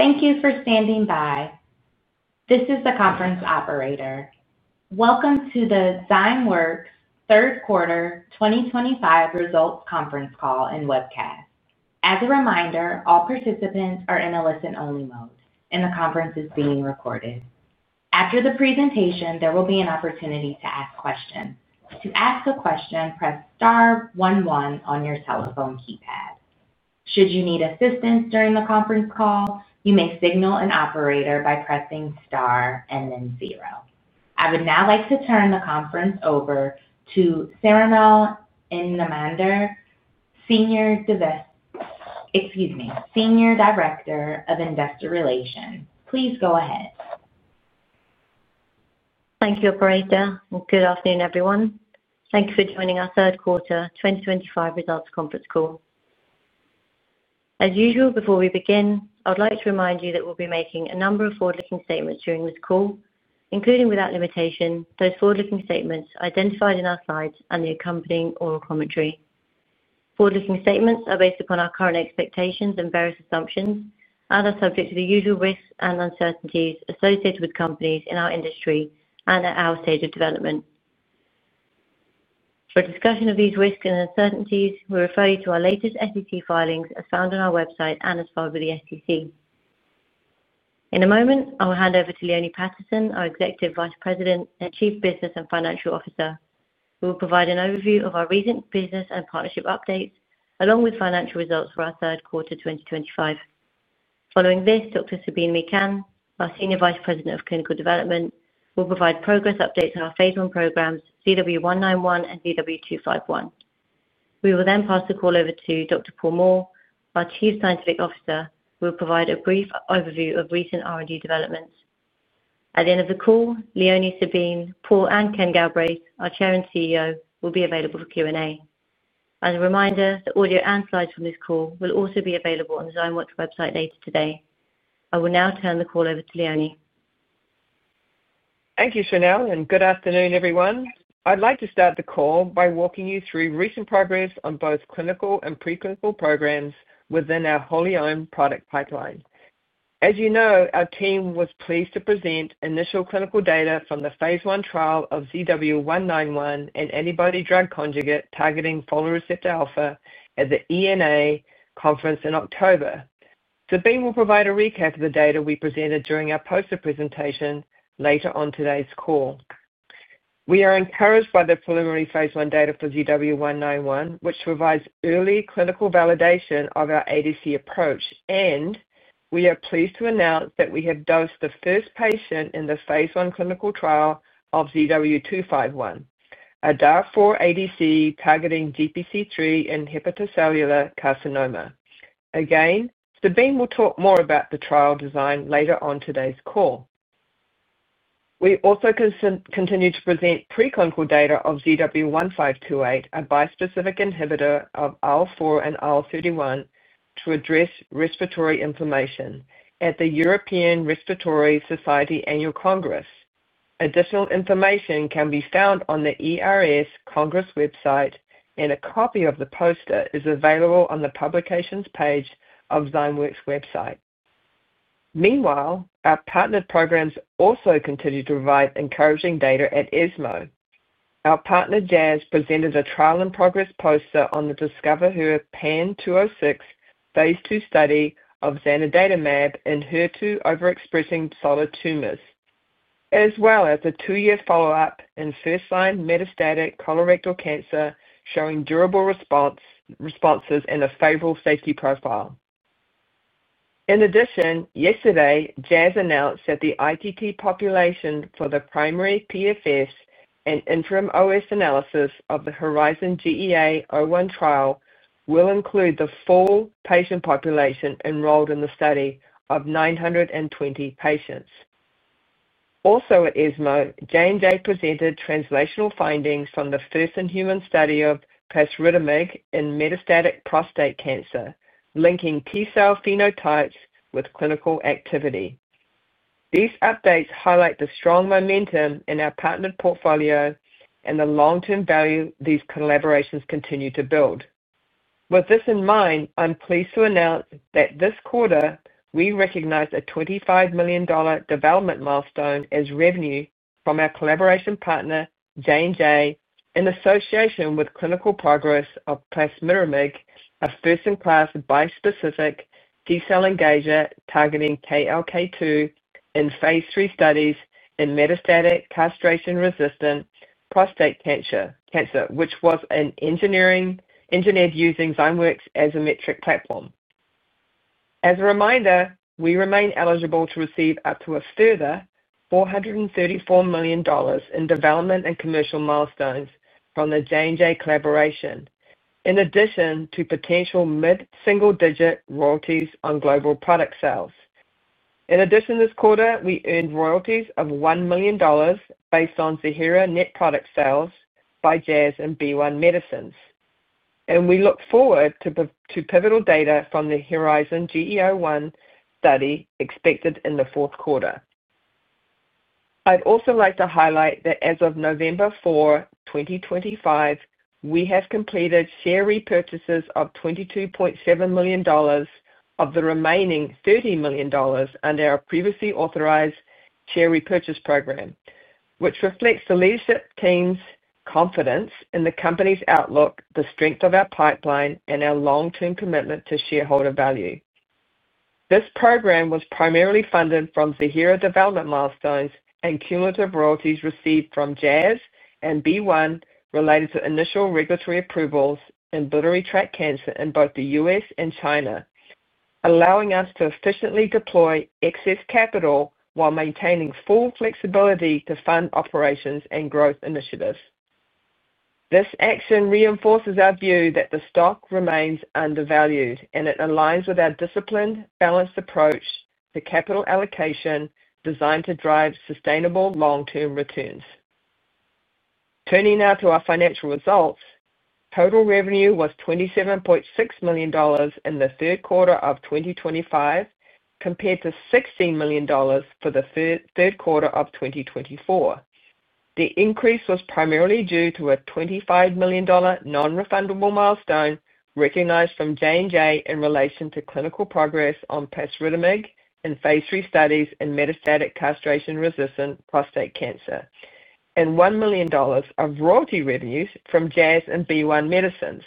Thank you for standing by. This is the conference operator. Welcome to the Zymeworks third quarter 2025 results conference call and webcast. As a reminder, all participants are in a listen-only mode, and the conference is being recorded. After the presentation, there will be an opportunity to ask questions. To ask a question, press star one one on your telephone keypad. Should you need assistance during the conference call, you may signal an operator by pressing star and then zero. I would now like to turn the conference over to Shrinal Inamdar, Senior Director of Investor Relations. Please go ahead. Thank you, operator. Good afternoon, everyone. Thank you for joining our third quarter 2025 results conference call. As usual, before we begin, I would like to remind you that we'll be making a number of forward-looking statements during this call, including without limitation, those forward-looking statements identified in our slides and the accompanying oral commentary. Forward-looking statements are based upon our current expectations and various assumptions and are subject to the usual risks and uncertainties associated with companies in our industry and at our stage of development. For discussion of these risks and uncertainties, we refer you to our latest SEC filings as found on our website and as followed by the SEC. In a moment, I will hand over to Leone Patterson, our Executive Vice President and Chief Business and Financial Officer, who will provide an overview of our recent business and partnership updates along with financial results for our third quarter 2025. Following this, Dr. Sabeen Mekan, our Senior Vice President of Clinical Development, will provide progress updates on our phase one programs, ZW191 and ZW251. We will then pass the call over to Dr. Paul Moore, our Chief Scientific Officer, who will provide a brief overview of recent R&D developments. At the end of the call, Leonie, Sabeen, Paul, and Ken Galbraith, our Chair and CEO, will be available for Q&A. As a reminder, the audio and slides from this call will also be available on the Zymeworks website later today. I will now turn the call over to Leone. Thank you, Shrinal, and good afternoon, everyone. I'd like to start the call by walking you through recent progress on both clinical and preclinical programs within our wholly owned product pipeline. As you know, our team was pleased to present initial clinical data from the phase one trial of ZW191, an antibody-drug conjugate targeting Folate Receptor Alpha, at the ENA conference in October. Sabeen will provide a recap of the data we presented during our poster presentation later on today's call. We are encouraged by the preliminary phase one data for ZW191, which provides early clinical validation of our ADC approach, and we are pleased to announce that we have dosed the first patient in the phase one clinical trial of ZW251, a DAR4 ADC targeting GPC3 in hepatocellular carcinoma. Sabeen will talk more about the trial design later on today's call. We also continue to present preclinical data of ZW1528, a bispecific inhibitor of IL-4 and IL-13, to address respiratory inflammation at the European Respiratory Society Annual Congress. Additional information can be found on the ERS Congress website, and a copy of the poster is available on the publications page of Zymeworks' website. Meanwhile, our partnered programs also continue to provide encouraging data at ESMO. Our partner, Jazz, presented a trial-in-progress poster on the DiscovHER PAN-206 phase two study of zanidatamab in HER2-overexpressing solid Tumors, as well as a two-year follow-up in first-line metastatic colorectal cancer showing durable responses and a favorable safety profile. In addition, yesterday, Jazz announced that the ITT population for the primary PFS and interim OS analysis of the HERIZON-GEA-01 trial will include the full patient population enrolled in the study of 920 patients. Also, at ESMO, Jane Day presented translational findings from the first-in-human study of pacritinib in metastatic prostate cancer, linking T cell phenotypes with clinical activity. These updates highlight the strong momentum in our partnered portfolio and the long-term value these collaborations continue to build. With this in mind, I'm pleased to announce that this quarter, we recognize a $25 million development milestone as revenue from our collaboration partner, J&J, in association with clinical progress of pacritinib, a first-in-class bispecific T Cell Engager targeting KLK2 in phase three studies in metastatic castration-resistant prostate cancer, which was engineered using Zymeworks Azymetric platform. As a reminder, we remain eligible to receive up to a further $434 million in development and commercial milestones from the J&J collaboration, in addition to potential mid-single-digit royalties on global product sales. In addition, this quarter, we earned royalties of $1 million based on Ziihera net product sales by Jazz and BeOne Medicines, and we look forward to pivotal data from the HERIZON-GEA-01 study expected in the fourth quarter. I'd also like to highlight that as of November 4, 2025, we have completed share repurchases of $22.7 million of the remaining $30 million under our previously authorized share repurchase program, which reflects the leadership team's confidence in the company's outlook, the strength of our pipeline, and our long-term commitment to shareholder value. This program was primarily funded from Ziihera development milestones and cumulative royalties received from Jazz and BeOne related to initial regulatory approvals in biliary tract cancer in both the U.S. and China, allowing us to efficiently deploy excess capital while maintaining full flexibility to fund operations and growth initiatives. This action reinforces our view that the stock remains undervalued, and it aligns with our disciplined, balanced approach to capital allocation designed to drive sustainable long-term returns. Turning now to our financial results, total revenue was $27.6 million in the third quarter of 2025 compared to $16 million for the third quarter of 2024. The increase was primarily due to a $25 million non-refundable milestone recognized from J&J in relation to clinical progress on pacritinib in phase three studies in metastatic castration-resistant prostate cancer, and $1 million of royalty revenues from Jazz and BeOne Medicines.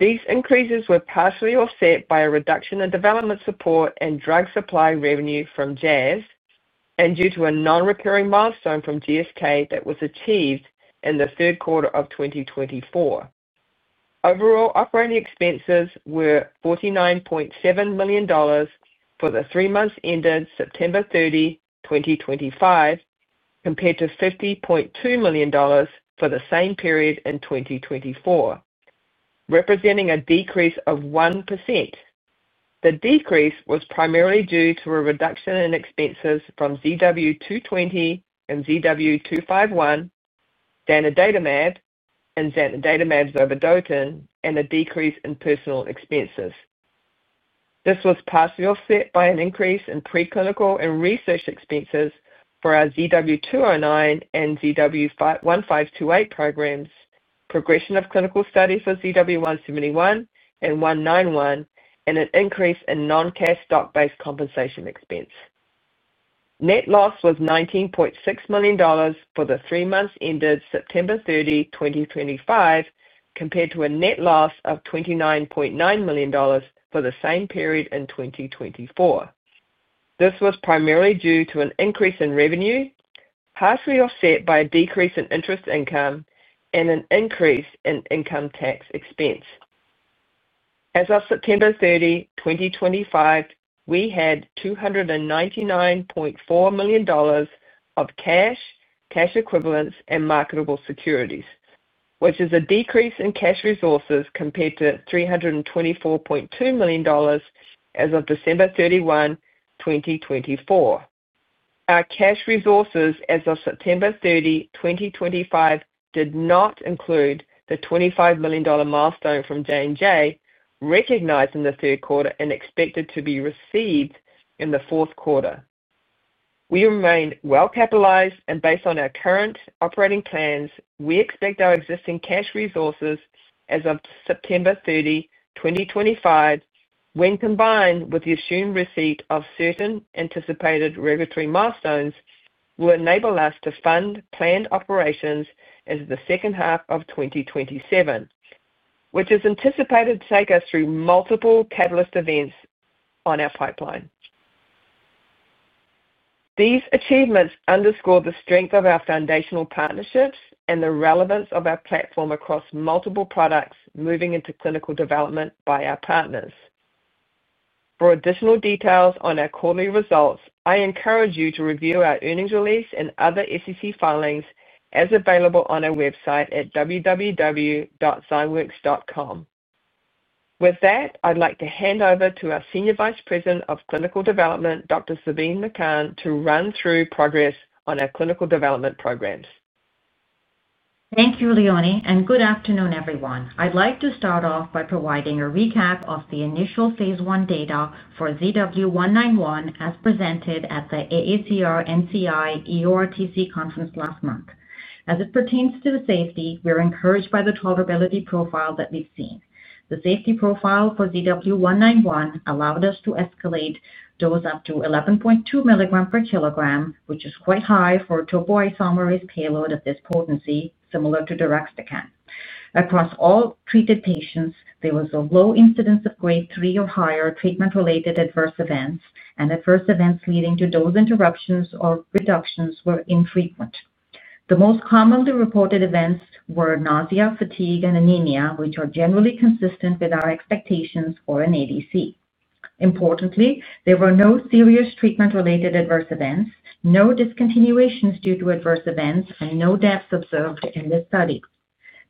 These increases were partially offset by a reduction in development support and drug supply revenue from Jazz and due to a non-recurring milestone from GSK that was achieved in the third quarter of 2024. Overall operating expenses were $49.7 million for the three months ended September 30, 2025, compared to $50.2 million for the same period in 2024, representing a decrease of 1%. The decrease was primarily due to a reduction in expenses from ZW220 and ZW251, zanidatamab and zanidatamab zovodotin, and a decrease in personnel expenses. This was partially offset by an increase in preclinical and research expenses for our ZW209 and ZW1528 programs, progression of clinical studies for ZW171 and ZW191, and an increase in non-cash stock-based compensation expense. Net loss was $19.6 million for the three months ended September 30, 2025, compared to a net loss of $29.9 million for the same period in 2024. This was primarily due to an increase in revenue, partially offset by a decrease in interest income, and an increase in income tax expense. As of September 30, 2025, we had $299.4 million of cash, cash equivalents, and marketable securities, which is a decrease in cash resources compared to $324.2 million as of December 31, 2024. Our cash resources as of September 30, 2025, did not include the $25 million milestone from J&J, recognized in the third quarter and expected to be received in the fourth quarter. We remain well-capitalized, and based on our current operating plans, we expect our existing cash resources as of September 30, 2025, when combined with the assumed receipt of certain anticipated regulatory milestones, will enable us to fund planned operations into the second half of 2027, which is anticipated to take us through multiple catalyst events on our pipeline. These achievements underscore the strength of our foundational partnerships and the relevance of our platform across multiple products moving into clinical development by our partners. For additional details on our quarterly results, I encourage you to review our earnings release and other SEC filings as available on our website at www.zymeworks.com. With that, I'd like to hand over to our Senior Vice President of Clinical Development, Dr. Sabeen Mekan, to run through progress on our clinical development programs. Thank you, Leonie, and good afternoon, everyone. I'd like to start off by providing a recap of the initial phase one data for ZW191 as presented at the AACR-NCI-EORTC conference last month. As it pertains to the safety, we're encouraged by the tolerability profile that we've seen. The safety profile for ZW191 allowed us to escalate dose up to 11.2 mg per kg, which is quite high for a Topoisomerase payload at this potency, similar to deruxtecan. Across all treated patients, there was a low incidence of grade three or higher treatment-related adverse events, and adverse events leading to dose interruptions or reductions were infrequent. The most commonly reported events were nausea, fatigue, and anemia, which are generally consistent with our expectations for an ADC. Importantly, there were no serious treatment-related adverse events, no discontinuations due to adverse events, and no deaths observed in this study.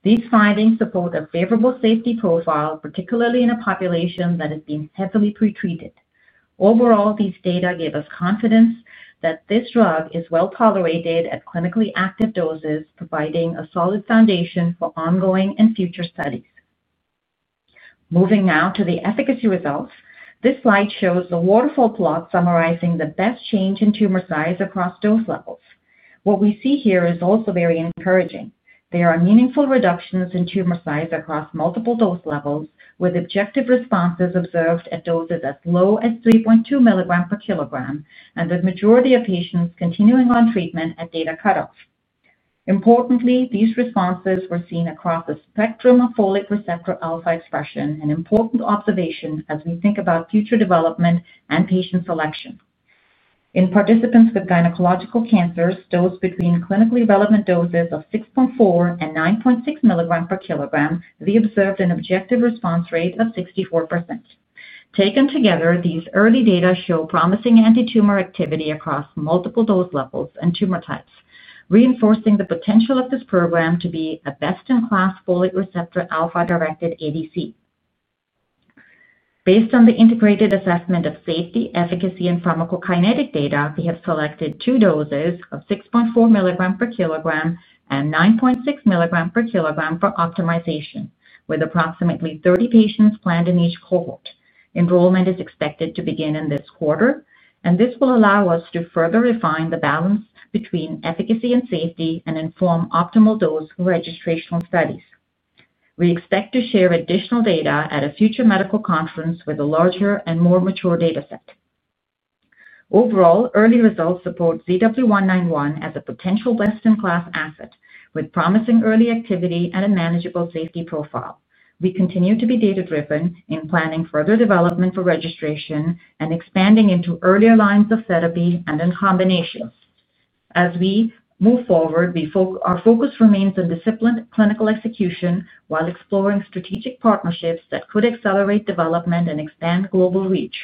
These findings support a favorable safety profile, particularly in a population that has been heavily pretreated. Overall, these data give us confidence that this drug is well-tolerated at clinically active doses, providing a solid foundation for ongoing and future studies. Moving now to the efficacy results. This slide shows the waterfall plot summarizing the best change in Tumor size across dose levels. What we see here is also very encouraging. There are meaningful reductions in Tumor size across multiple dose levels, with objective responses observed at doses as low as 3.2 mg per kg and the majority of patients continuing on treatment at data cutoff. Importantly, these responses were seen across the spectrum of Folate Receptor Alpha expression, an important observation as we think about future development and patient selection. In participants with gynecological cancers, dosed between clinically relevant doses of 6.4 mg and 9.6 mg per kg, we observed an objective response rate of 64%. Taken together, these early data show promising anti-Tumor activity across multiple dose levels and Tumor types, reinforcing the potential of this program to be a best-in-class Folate Receptor Alpha-directed ADC. Based on the integrated assessment of safety, efficacy, and pharmacokinetic data, we have selected two doses of 6.4 mg per kg and 9.6 mg per kg for optimization, with approximately 30 patients planned in each cohort. Enrollment is expected to begin in this quarter, and this will allow us to further refine the balance between efficacy and safety and inform optimal dose registration studies. We expect to share additional data at a future medical conference with a larger and more mature data set. Overall, early results support ZW191 as a potential best-in-class asset, with promising early activity and a manageable safety profile. We continue to be data-driven in planning further development for registration and expanding into earlier lines of therapy and in combination. As we move forward, our focus remains on disciplined clinical execution while exploring strategic partnerships that could accelerate development and expand global reach.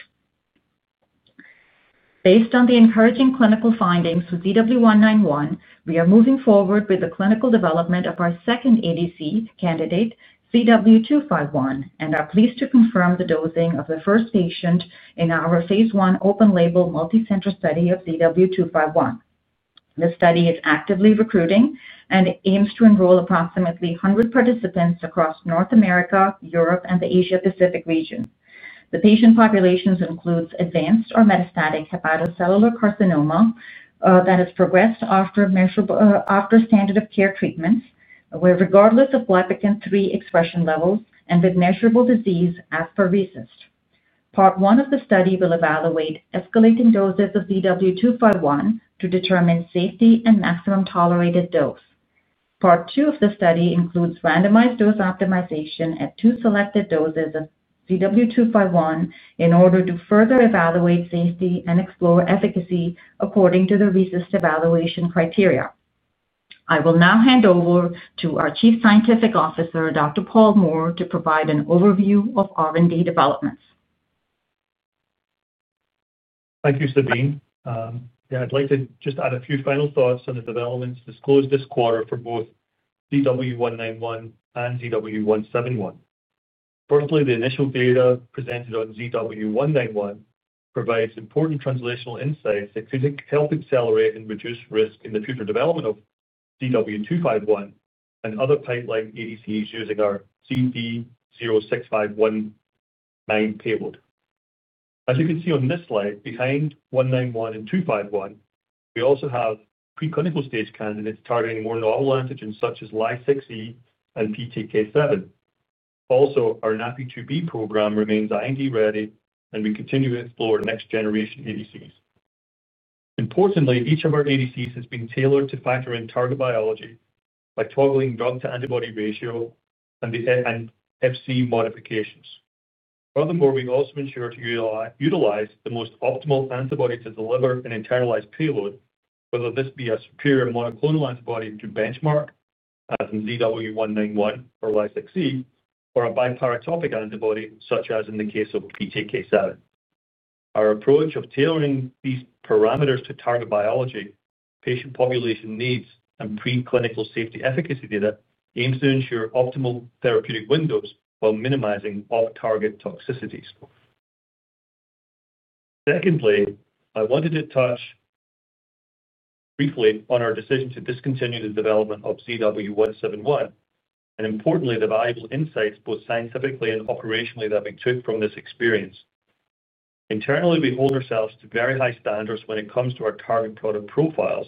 Based on the encouraging clinical findings for ZW191, we are moving forward with the clinical development of our second ADC candidate, ZW251, and are pleased to confirm the dosing of the first patient in our phase one open-label multicenter study of ZW251. This study is actively recruiting and aims to enroll approximately 100 participants across North America, Europe, and the Asia-Pacific region. The patient populations include advanced or metastatic hepatocellular carcinoma that has progressed after standard of care treatments, regardless of GPC3 expression levels, and with measurable disease as per RECIST. Part one of the study will evaluate escalating doses of ZW251 to determine safety and maximum tolerated dose. Part two of the study includes randomized dose optimization at two selected doses of ZW251 in order to further evaluate safety and explore efficacy according to the RECIST evaluation criteria. I will now hand over to our Chief Scientific Officer, Dr. Paul Moore, to provide an overview of R&D developments. Thank you, Sabeen. Yeah, I'd like to just add a few final thoughts on the developments disclosed this quarter for both ZW191 and ZW171. Firstly, the initial data presented on ZW191 provides important translational insights that could help accelerate and reduce risk in the future development of ZW251 and other pipeline ADCs using our CD06519 payload. As you can see on this slide, behind 191 and 251, we also have preclinical stage candidates targeting more novel antigens such as Ly6E and PTK7. Also, our NaPi2b program remains IND ready, and we continue to explore next-generation ADCs. Importantly, each of our ADCs has been tailored to factor in target biology by toggling drug-to-antibody ratio and Hep C modifications. Furthermore, we also ensure to utilize the most optimal antibody to deliver an internalized payload, whether this be a superior monoclonal antibody to benchmark as in ZW191 or Ly6E, or a biparatopic antibody such as in the case of PTK7. Our approach of tailoring these parameters to target biology, patient population needs, and preclinical safety efficacy data aims to ensure optimal therapeutic windows while minimizing off-target toxicities. Secondly, I wanted to touch briefly on our decision to discontinue the development of ZW171 and, importantly, the valuable insights both scientifically and operationally that we took from this experience. Internally, we hold ourselves to very high standards when it comes to our target product profiles.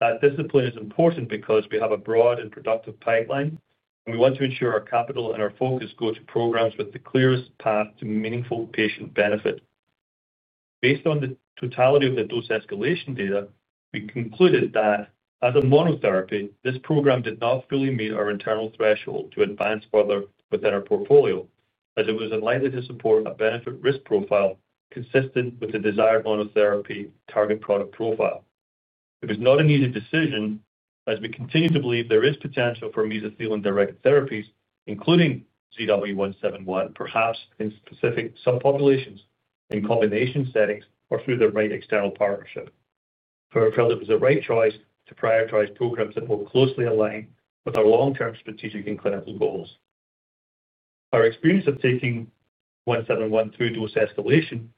That discipline is important because we have a broad and productive pipeline, and we want to ensure our capital and our focus go to programs with the clearest path to meaningful patient benefit. Based on the totality of the dose escalation data, we concluded that, as a monotherapy, this program did not fully meet our internal threshold to advance further within our portfolio, as it was unlikely to support a benefit-risk profile consistent with the desired monotherapy target product profile. It was not an easy decision, as we continue to believe there is potential for Mesothelin-directed therapies, including ZW171, perhaps in specific subpopulations, in combination settings, or through the right external partnership. We felt it was the right choice to prioritize programs that will closely align with our long-term strategic and clinical goals. Our experience of taking 171 through dose escalation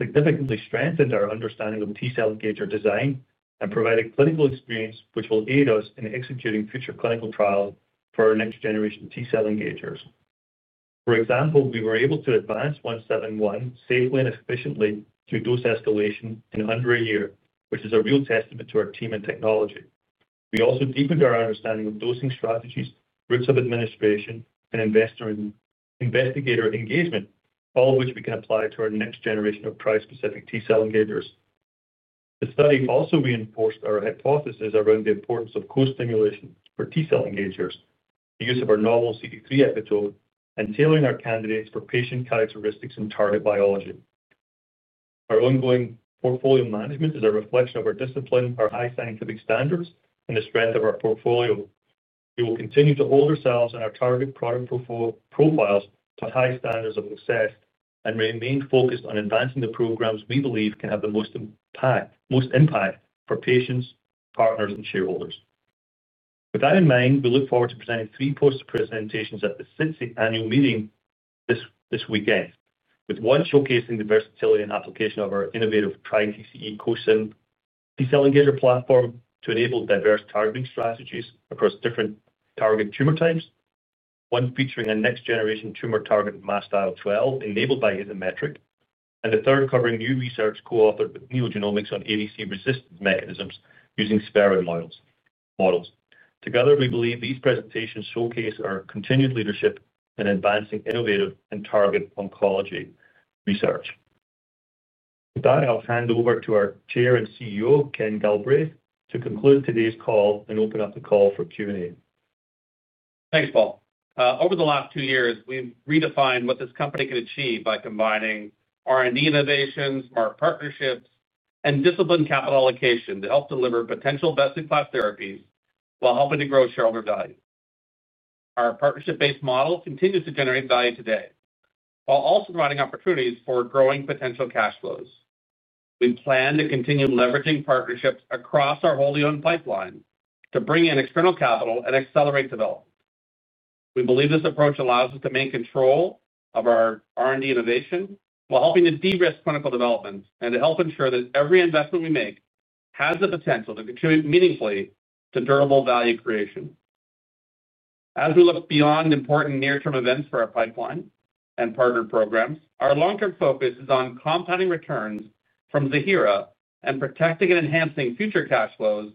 significantly strengthened our understanding of T Cell Engager design and provided clinical experience which will aid us in executing future clinical trials for our next-generation T Cell Engagers. For example, we were able to advance 171 safely and efficiently through dose escalation in under a year, which is a real testament to our team and technology. We also deepened our understanding of dosing strategies, routes of administration, and investigator engagement, all of which we can apply to our next generation of prior-specific T Cell Engagers. The study also reinforced our hypothesis around the importance of co-stimulation for T Cell Engagers, the use of our novel CD3 epitope, and tailoring our candidates for patient characteristics and target biology. Our ongoing portfolio management is a reflection of our discipline, our high scientific standards, and the strength of our portfolio. We will continue to hold ourselves and our target product profiles to high standards of success and remain focused on advancing the programs we believe can have the most impact for patients, partners, and shareholders. With that in mind, we look forward to presenting three poster presentations at the SITC annual meeting this weekend, with one showcasing the versatility and application of our innovative TriTCE Co-Stim T Cell Engager platform to enable diverse targeting strategies across different target Tumor types, one featuring a next-generation Tumor Targetted Masked IL-12Fc, enabled by Azymetric, and the third covering new research co-authored with NeoGenomics on ADC resistance mechanisms using spheroid models. Together, we believe these presentations showcase our continued leadership in advancing innovative and targeted oncology research. With that, I'll hand over to our Chair and CEO, Ken Galbraith, to conclude today's call and open up the call for Q&A. Thanks, Paul. Over the last two years, we've redefined what this company can achieve by combining R&D innovations, smart partnerships, and disciplined capital allocation to help deliver potential best-in-class therapies while helping to grow shareholder value. Our partnership-based model continues to generate value today while also providing opportunities for growing potential cash flows. We plan to continue leveraging partnerships across our wholly owned pipeline to bring in external capital and accelerate development. We believe this approach allows us to maintain control of our R&D innovation while helping to de-risk clinical developments and to help ensure that every investment we make has the potential to contribute meaningfully to durable value creation. As we look beyond important near-term events for our pipeline and partner programs, our long-term focus is on compounding returns from Ziihera and protecting and enhancing future cash flows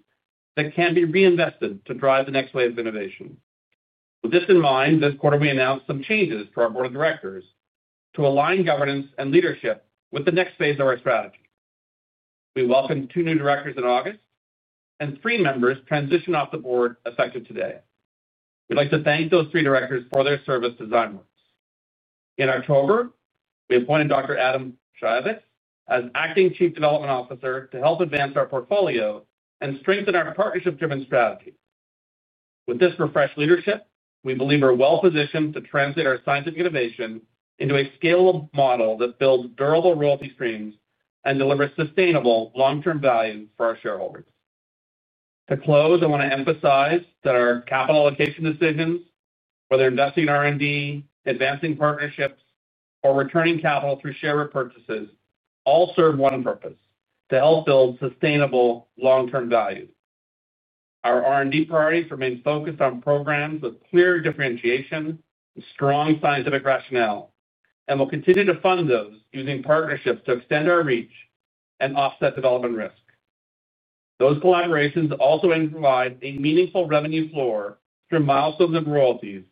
that can be reinvested to drive the next wave of innovation. With this in mind, this quarter, we announced some changes to our board of directors to align governance and leadership with the next phase of our strategy. We welcomed two new directors in August, and three members transitioned off the board effective today. We'd like to thank those three directors for their service design work. In October, we appointed Dr. Adam Schayowitz as Acting Chief Development Officer to help advance our portfolio and strengthen our partnership-driven strategy. With this refreshed leadership, we believe we're well-positioned to translate our scientific innovation into a scalable model that builds durable royalty streams and delivers sustainable long-term value for our shareholders. To close, I want to emphasize that our capital allocation decisions, whether investing in R&D, advancing partnerships, or returning capital through share repurchases, all serve one purpose: to help build sustainable long-term value. Our R&D priorities remain focused on programs with clear differentiation and strong scientific rationale, and we'll continue to fund those using partnerships to extend our reach and offset development risk. Those collaborations also provide a meaningful revenue floor through milestones and royalties,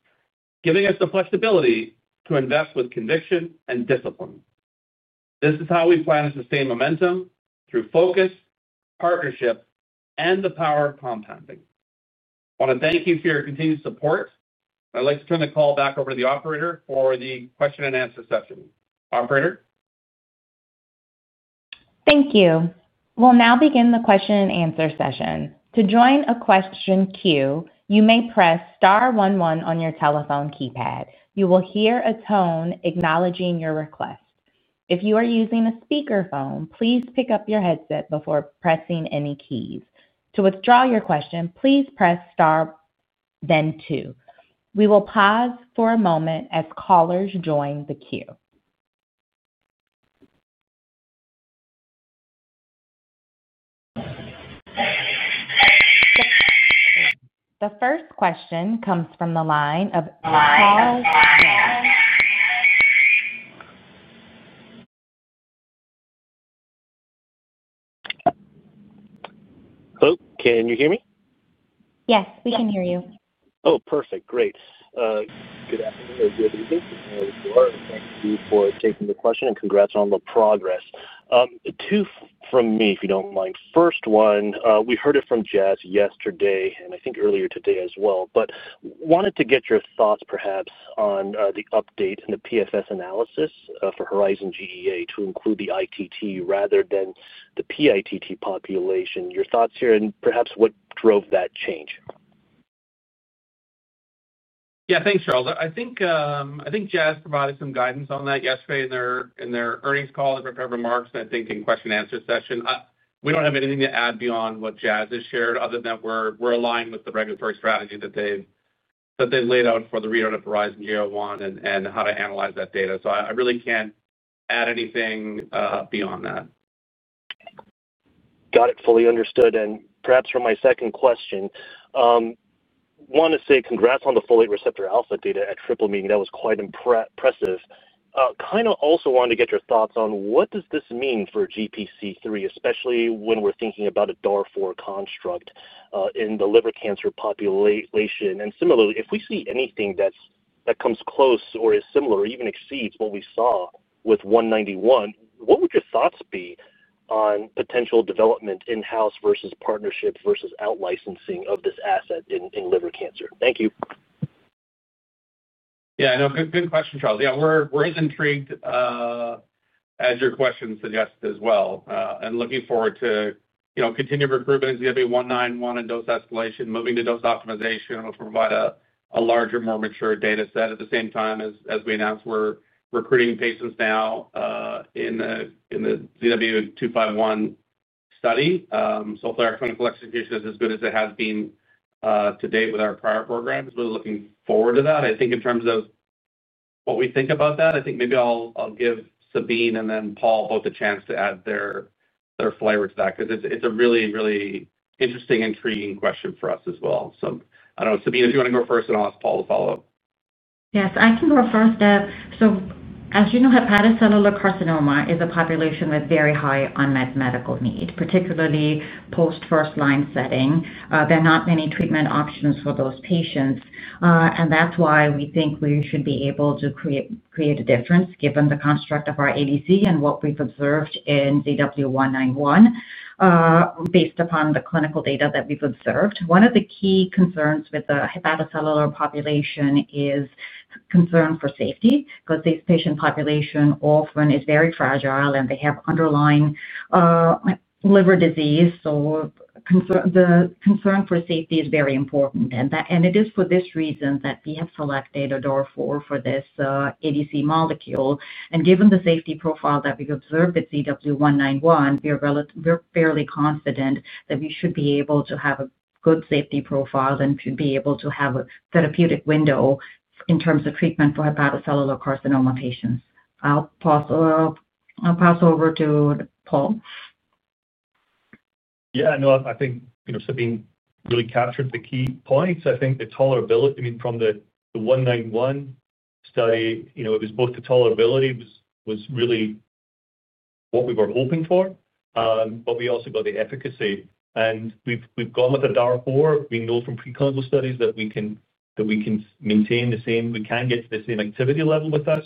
giving us the flexibility to invest with conviction and discipline. This is how we plan to sustain momentum through focus, partnership, and the power of compounding. I want to thank you for your continued support, and I'd like to turn the call back over to the operator for the question-and-answer session. Operator. Thank you. We'll now begin the question-and-answer session. To join a question queue, you may press star one one on your telephone keypad. You will hear a tone acknowledging your request. If you are using a speakerphone, please pick up your headset before pressing any keys. To withdraw your question, please press star, then two. We will pause for a moment as callers join the queue. The first question comes from the line of. Call. Hello. Can you hear me? Yes, we can hear you. Oh, perfect. Great. Good afternoon or good evening, wherever you are. Thank you for taking the question and congrats on the progress. Two from me, if you do not mind. First one, we heard it from Jazz yesterday and I think earlier today as well, but wanted to get your thoughts perhaps on the update in the PFS analysis HERIZON-GEA-01 to include the ITT rather than the PITT population. Your thoughts here and perhaps what drove that change? Yeah, thanks, Charles. I think Jazz provided some guidance on that yesterday in their earnings call and remarks, and I think in question-and-answer session. We do not have anything to add beyond what Jazz has shared other than we are aligned with the regulatory strategy that they have laid out for the readout HERIZON-GEA-01 and how to analyze that data. I really cannot add anything beyond that. Got it. Fully understood. Perhaps for my second question, I want to say congrats on the Folate Receptor Alpha data at Triple Meeting. That was quite impressive. I kind of also wanted to get your thoughts on what does this mean for GPC3, especially when we're thinking about a DAR4 construct in the liver cancer population. Similarly, if we see anything that comes close or is similar or even exceeds what we saw with 191, what would your thoughts be on potential development in-house versus partnership versus out-licensing of this asset in liver cancer? Thank you. Yeah, I know. Good question, Charles. Yeah, we're as intrigued as your question suggests as well, and looking forward to continued recruitment in ZW191 and dose escalation, moving to dose optimization to provide a larger, more mature data set. At the same time, as we announced, we're recruiting patients now in the ZW251 study. So far, our clinical execution is as good as it has been to date with our prior program. Really looking forward to that. I think in terms of what we think about that, I think maybe I'll give Sabeen and then Paul both a chance to add their flavor to that because it's a really, really interesting, intriguing question for us as well. I don't know, Sabeen, if you want to go first, and I'll ask Paul to follow up. Yes, I can go first. As you know, hepatocellular carcinoma is a population with very high unmet medical need, particularly post-first-line setting. There are not many treatment options for those patients. That is why we think we should be able to create a difference given the construct of our ADC and what we've observed in ZW191. Based upon the clinical data that we've observed, one of the key concerns with the hepatocellular population is concern for safety because this patient population often is very fragile and they have underlying liver disease. The concern for safety is very important. It is for this reason that we have selected a DAR4 for this ADC molecule. Given the safety profile that we've observed with ZW191, we're fairly confident that we should be able to have a good safety profile and should be able to have a therapeutic window in terms of treatment for hepatocellular carcinoma patients. I'll pass over to Paul. Yeah, no, I think Sabeen really captured the key points. I think the tolerability, I mean, from the 191 study, it was both the tolerability was really what we were hoping for, but we also got the efficacy. We have gone with the DAR4. We know from preclinical studies that we can maintain the same, we can get to the same activity level with that.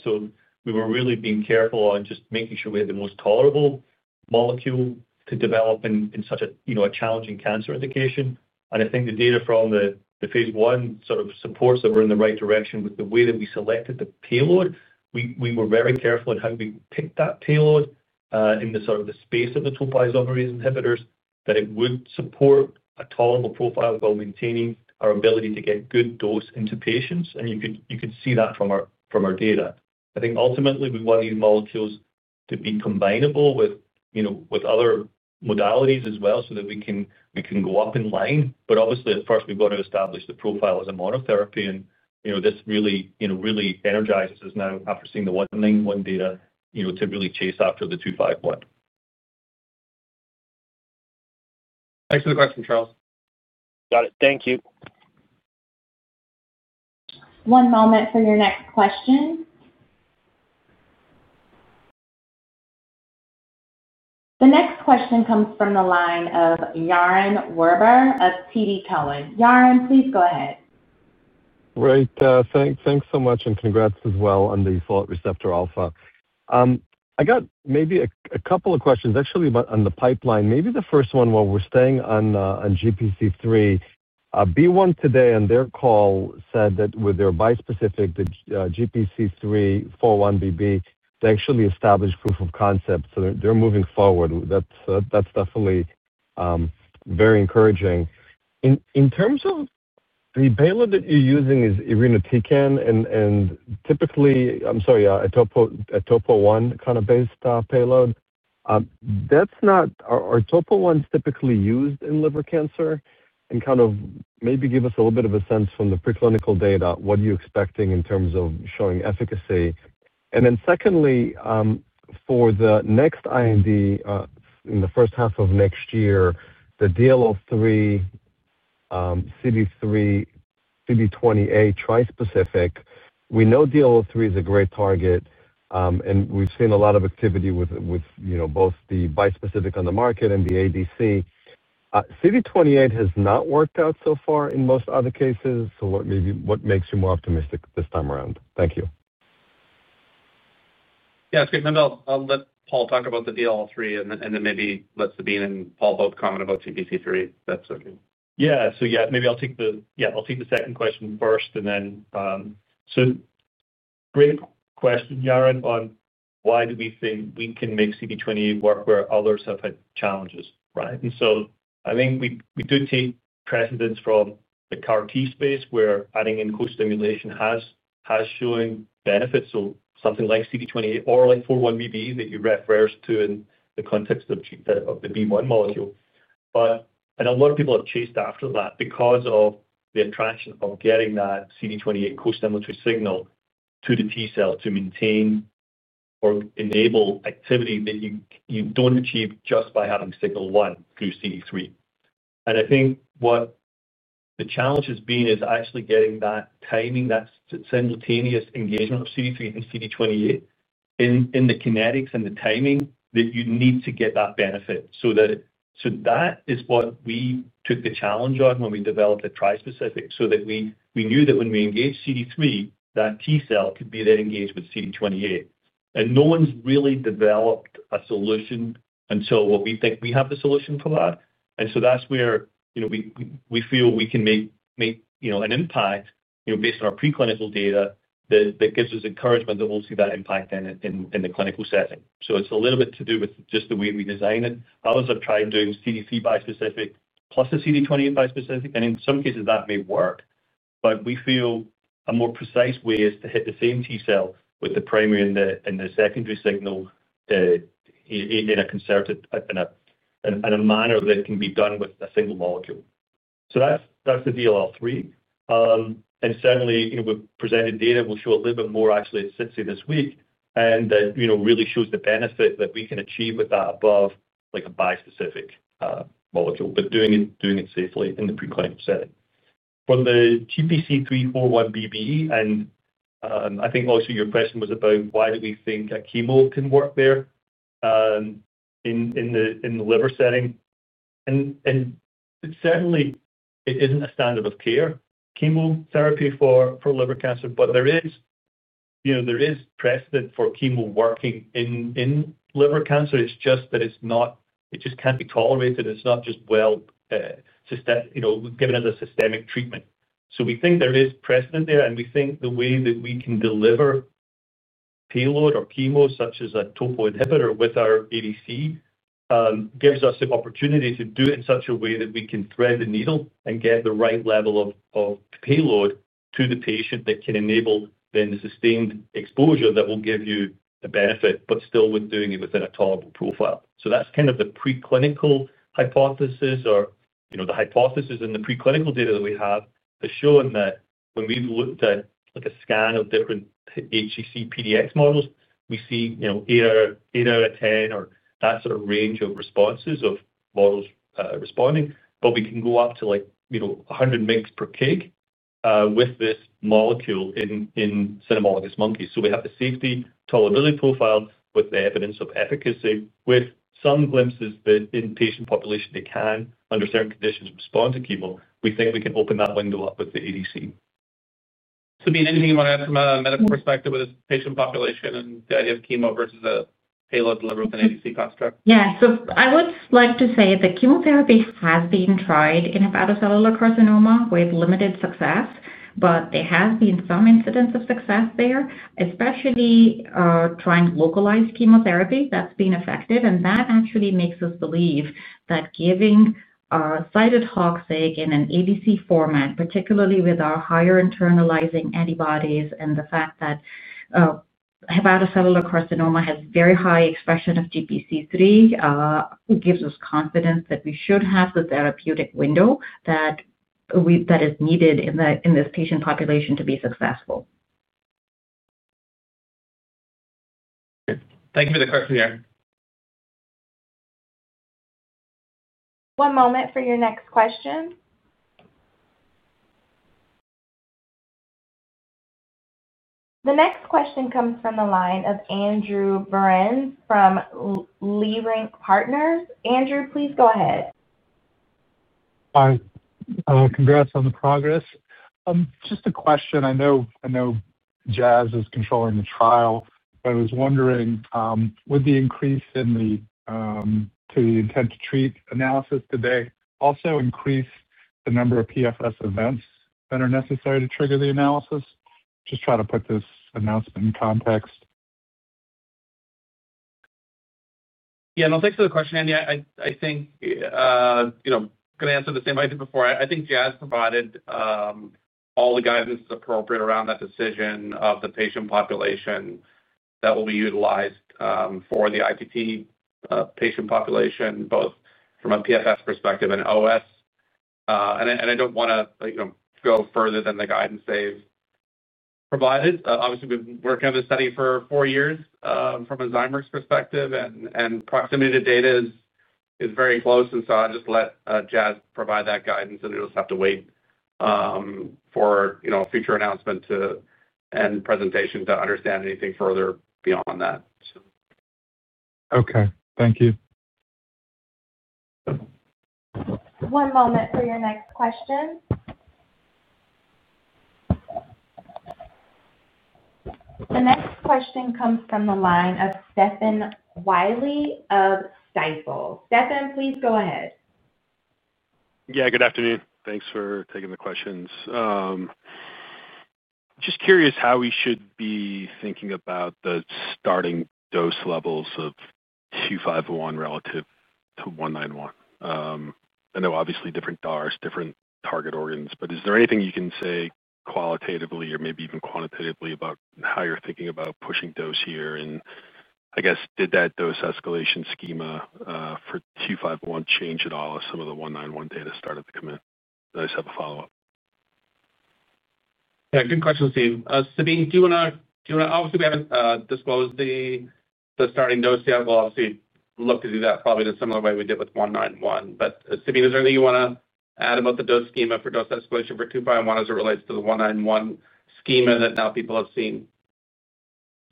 We were really being careful on just making sure we had the most tolerable molecule to develop in such a challenging cancer indication. I think the data from the phase one sort of supports that we are in the right direction with the way that we selected the payload. We were very careful in how we picked that payload in the space of the Topoisomerase inhibitors that it would support a tolerable profile while maintaining our ability to get good dose into patients. You could see that from our data. I think ultimately, we want these molecules to be combineable with other modalities as well so that we can go up in line. Obviously, at first, we've got to establish the profile as a monotherapy. This really energizes us now after seeing the 191 data to really chase after the 251. Thanks for the question, Charles. Got it. Thank you. One moment for your next question. The next question comes from the line of Yaron Werber of TD Cowen. Yaron, please go ahead. Right. Thanks so much. And congrats as well on the Folate Receptor Alpha. I got maybe a couple of questions actually on the pipeline. Maybe the first one, while we're staying on GPC3. BeOne today on their call said that with their bispecific, the GPC3 41BB, they actually established proof of concept. So they're moving forward. That's definitely very encouraging. In terms of the payload that you're using, it's Irinotecan and typically, I'm sorry, a TOPO1 kind of based payload. Are TOPO1s typically used in liver cancer and kind of maybe give us a little bit of a sense from the preclinical data, what are you expecting in terms of showing efficacy? And then secondly, for the next IND in the first half of next year, the DL03. CD20A trispecific, we know DL03 is a great target. We have seen a lot of activity with both the bispecific on the market and the ADC. CD28 has not worked out so far in most other cases. What makes you more optimistic this time around? Thank you. Yeah, that's good. I'll let Paul talk about the DL03 and then maybe let Sabeen and Paul both comment about GPC3 if that's okay. Yeah. So yeah, maybe I'll take the, yeah, I'll take the second question first and then. Great question, Yaron, on why do we think we can make CD28 work where others have had challenges, right? I think we do take precedence from the CAR-T space where adding in co-stimulation has shown benefits. Something like CD28 or like 41BB that you refer to in the context of the BeOne molecule. A lot of people have chased after that because of the attraction of getting that CD28 co-stimulatory signal to the T cell to maintain or enable activity that you don't achieve just by having signal one through CD3. I think what the challenge has been is actually getting that timing, that simultaneous engagement of CD3 and CD28 in the kinetics and the timing that you need to get that benefit. That is what we took the challenge on when we developed the tri-specific so that we knew that when we engage CD3, that T cell could be then engaged with CD28. No one's really developed a solution until what we think we have the solution for that. That is where we feel we can make an impact based on our preclinical data that gives us encouragement that we'll see that impact in the clinical setting. It is a little bit to do with just the way we design it. Others have tried doing CD3 bispecific plus a CD28 bispecific. In some cases, that may work. We feel a more precise way is to hit the same T cell with the primary and the secondary signal in a manner that can be done with a single molecule. That is the DL03. Certainly, we've presented data. We'll show a little bit more actually at SITC this week, and that really shows the benefit that we can achieve with that above a bispecific molecule, but doing it safely in the preclinical setting. For the GPC3 41BB, and I think also your question was about why do we think a chemo can work there in the liver setting. Certainly, it isn't a standard of care chemotherapy for liver cancer, but there is precedent for chemo working in liver cancer. It's just that it just can't be tolerated. It's not just well given as a systemic treatment. We think there is precedent there, and we think the way that we can deliver payload or chemo such as a topo inhibitor with our ADC. Gives us the opportunity to do it in such a way that we can thread the needle and get the right level of payload to the patient that can enable then sustained exposure that will give you the benefit, but still with doing it within a tolerable profile. That's kind of the preclinical hypothesis or the hypothesis in the preclinical data that we have has shown that when we've looked at a scan of different HCC PDX models, we see 8 out of 10 or that sort of range of responses of models responding. We can go up to 100 mg per kg with this molecule in cynomolgus monkeys. We have the safety tolerability profile with the evidence of efficacy with some glimpses that in patient population, they can under certain conditions respond to chemo. We think we can open that window up with the ADC. Sabeen, anything you want to add from a medical perspective with this patient population and the idea of chemo versus a payload liver with an ADC construct? Yeah. I would like to say that chemotherapy has been tried in hepatocellular carcinoma with limited success, but there has been some incidents of success there, especially trying localized chemotherapy that's been effective. That actually makes us believe that giving cytotoxic in an ADC format, particularly with our higher internalizing antibodies and the fact that hepatocellular carcinoma has very high expression of GPC3, gives us confidence that we should have the therapeutic window that is needed in this patient population to be successful. Thank you for the question, Yaron. One moment for your next question. The next question comes from the line of Andrew Berens from Leerink Partners. Andrew, please go ahead. Hi. Congrats on the progress. Just a question. I know Jazz is controlling the trial, but I was wondering, would the increase in the, to the intent-to-treat analysis, did they also increase the number of PFS events that are necessary to trigger the analysis? Just trying to put this announcement in context. Yeah. No, thanks for the question, Andy. I think. Going to answer the same way I did before. I think Jazz provided all the guidance that's appropriate around that decision of the patient population that will be utilized for the ITT patient population, both from a PFS perspective and OS. I don't want to go further than the guidance they've provided. Obviously, we've been working on this study for four years from a Zymeworks perspective, and proximity to data is very close. I'll just let Jazz provide that guidance, and we'll just have to wait for a future announcement and presentation to understand anything further beyond that. Okay. Thank you. One moment for your next question. The next question comes from the line of Stephen Willey of Stifel. Stephen, please go ahead. Yeah. Good afternoon. Thanks for taking the questions. Just curious how we should be thinking about the starting dose levels of ZW251 relative to 191. I know obviously different DARs, different target organs, but is there anything you can say qualitatively or maybe even quantitatively about how you're thinking about pushing dose here? I guess, did that dose escalation schema for 251 change at all as some of the 191 data started to come in? I just have a follow-up. Yeah. Good question, Steve. Sabeen, do you want to—obviously, we have not disclosed the starting dose yet. We will obviously look to do that probably in a similar way we did with 191. Sabeen, is there anything you want to add about the dose schema for dose escalation for 251 as it relates to the 191 schema that now people have seen?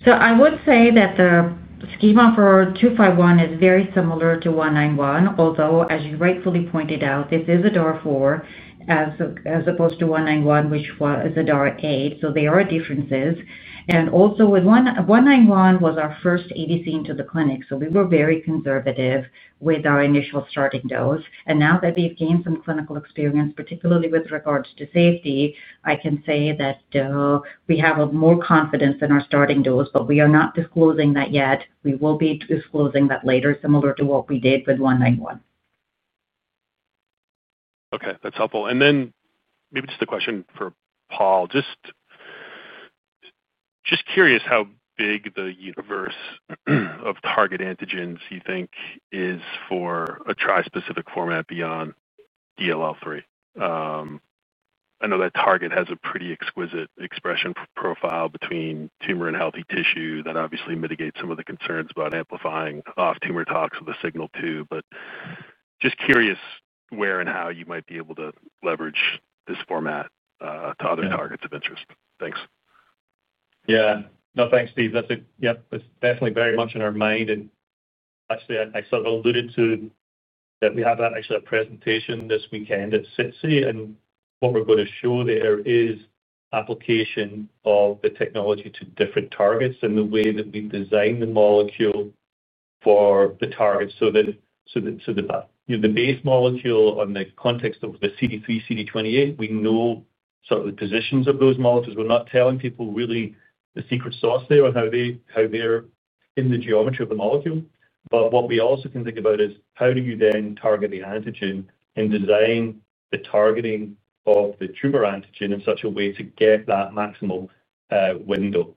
I would say that the schema for 251 is very similar to 191, although, as you rightfully pointed out, this is a DAR4 as opposed to 191, which is a DAR8. There are differences. Also, with 191, it was our first ADC into the clinic. We were very conservative with our initial starting dose. Now that we have gained some clinical experience, particularly with regards to safety, I can say that we have more confidence in our starting dose, but we are not disclosing that yet. We will be disclosing that later, similar to what we did with 191. Okay. That's helpful. Maybe just a question for Paul. Just curious how big the universe of target antigens you think is for a trispecific format beyond DL03. I know that target has a pretty exquisite expression profile between Tumor and healthy tissue that obviously mitigates some of the concerns about amplifying off Tumor tox with a signal too. Just curious where and how you might be able to leverage this format to other targets of interest. Thanks. Yeah. No, thanks, Steve. Yep. It's definitely very much in our mind. And actually, I sort of alluded to that we have actually a presentation this weekend at SITC. And what we're going to show there is application of the technology to different targets and the way that we design the molecule for the target so that. The base molecule on the context of the CD3, CD28, we know sort of the positions of those molecules. We're not telling people really the secret sauce there on how they're in the geometry of the molecule. But what we also can think about is how do you then target the antigen and design the targeting of the Tumor antigen in such a way to get that maximal window.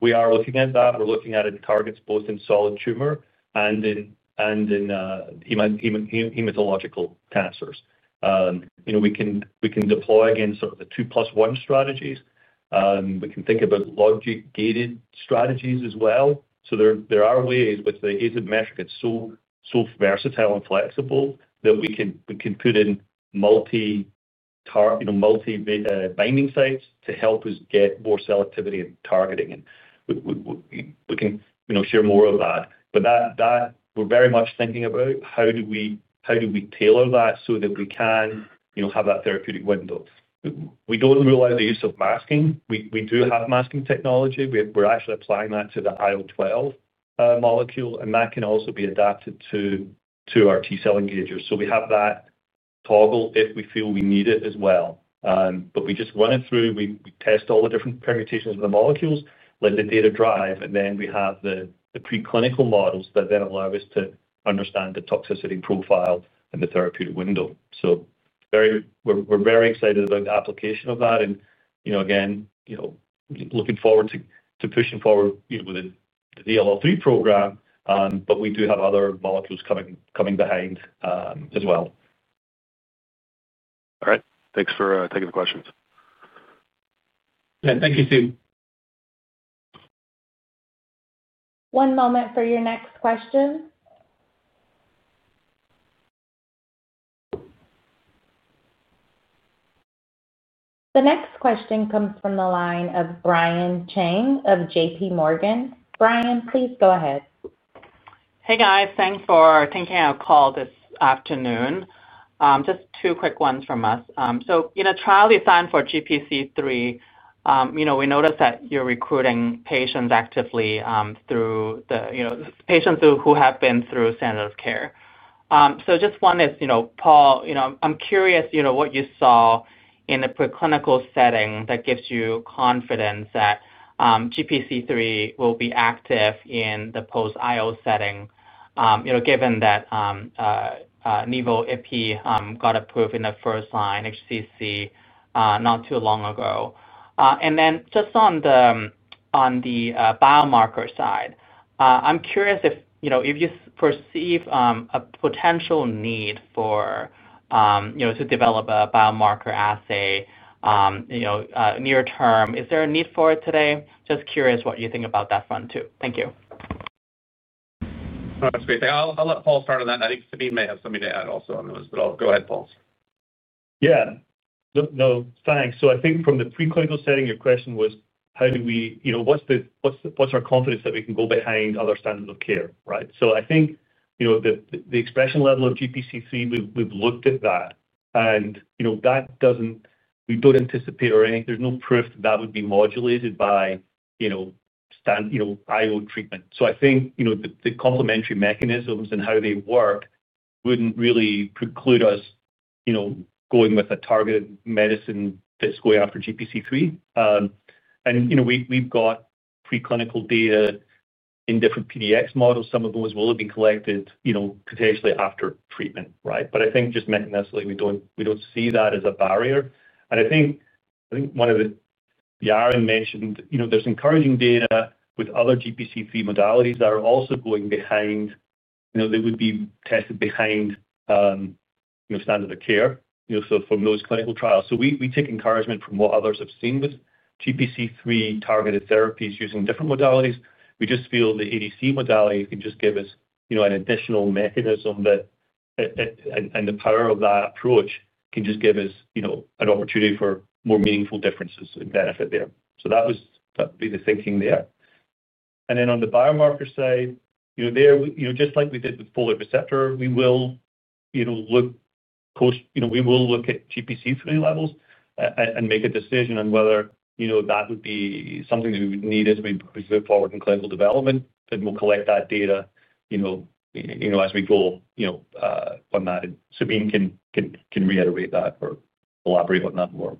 We are looking at that. We're looking at it targets both in solid Tumor and in. Hematological cancers. We can deploy against sort of the two-plus-one strategies. We can think about logic-gated strategies as well. There are ways with the Azymetric, it's so versatile and flexible that we can put in multi-binding sites to help us get more selectivity in targeting. We can share more of that. We are very much thinking about how do we tailor that so that we can have that therapeutic window. We do not rule out the use of masking. We do have masking technology. We are actually applying that to the IL-12 molecule, and that can also be adapted to our T Cell Engagers. We have that toggle if we feel we need it as well. We just run it through. We test all the different permutations of the molecules, let the data drive, and then we have the preclinical models that then allow us to understand the toxicity profile and the therapeutic window. We are very excited about the application of that. Again, looking forward to pushing forward with the DL03 program, but we do have other molecules coming behind as well. All right. Thanks for taking the questions. Yeah. Thank you, Steve. One moment for your next question. The next question comes from the line of Brian Cheng of J.P. Morgan. Brian, please go ahead. Hey, guys. Thanks for taking out the call this afternoon. Just two quick ones from us. In a trial designed for GPC3, we noticed that you're recruiting patients actively through the patients who have been through standard of care. Just one is, Paul, I'm curious what you saw in the preclinical setting that gives you confidence that GPC3 will be active in the post-IO setting, given that Nevo IP got approved in the first line HCC not too long ago. Just on the biomarker side, I'm curious if you foresee a potential need to develop a biomarker assay near term. Is there a need for it today? Just curious what you think about that front too. Thank you. That's great. I'll let Paul start on that. I think Sabeen may have something to add also on those, but I'll go ahead, Paul. Yeah. No. Thanks. I think from the preclinical setting, your question was, how do we—what's our confidence that we can go behind other standards of care, right? I think the expression level of GPC3, we've looked at that. We don't anticipate or there's no proof that that would be modulated by IO treatment. I think the complementary mechanisms and how they work wouldn't really preclude us going with a targeted medicine that's going after GPC3. We've got preclinical data in different PDX models. Some of those will have been collected potentially after treatment, right? I think just mechanistically, we don't see that as a barrier. I think one of the—Aaron mentioned there's encouraging data with other GPC3 modalities that are also going behind—they would be tested behind standard of care from those clinical trials. We take encouragement from what others have seen with GPC3 targeted therapies using different modalities. We just feel the ADC modality can just give us an additional mechanism that, and the power of that approach can just give us an opportunity for more meaningful differences and benefit there. That would be the thinking there. On the biomarker side, just like we did with folate receptor, we will look at GPC3 levels and make a decision on whether that would be something that we would need as we move forward in clinical development. We'll collect that data as we go on that. Sabeen can reiterate that or elaborate on that more.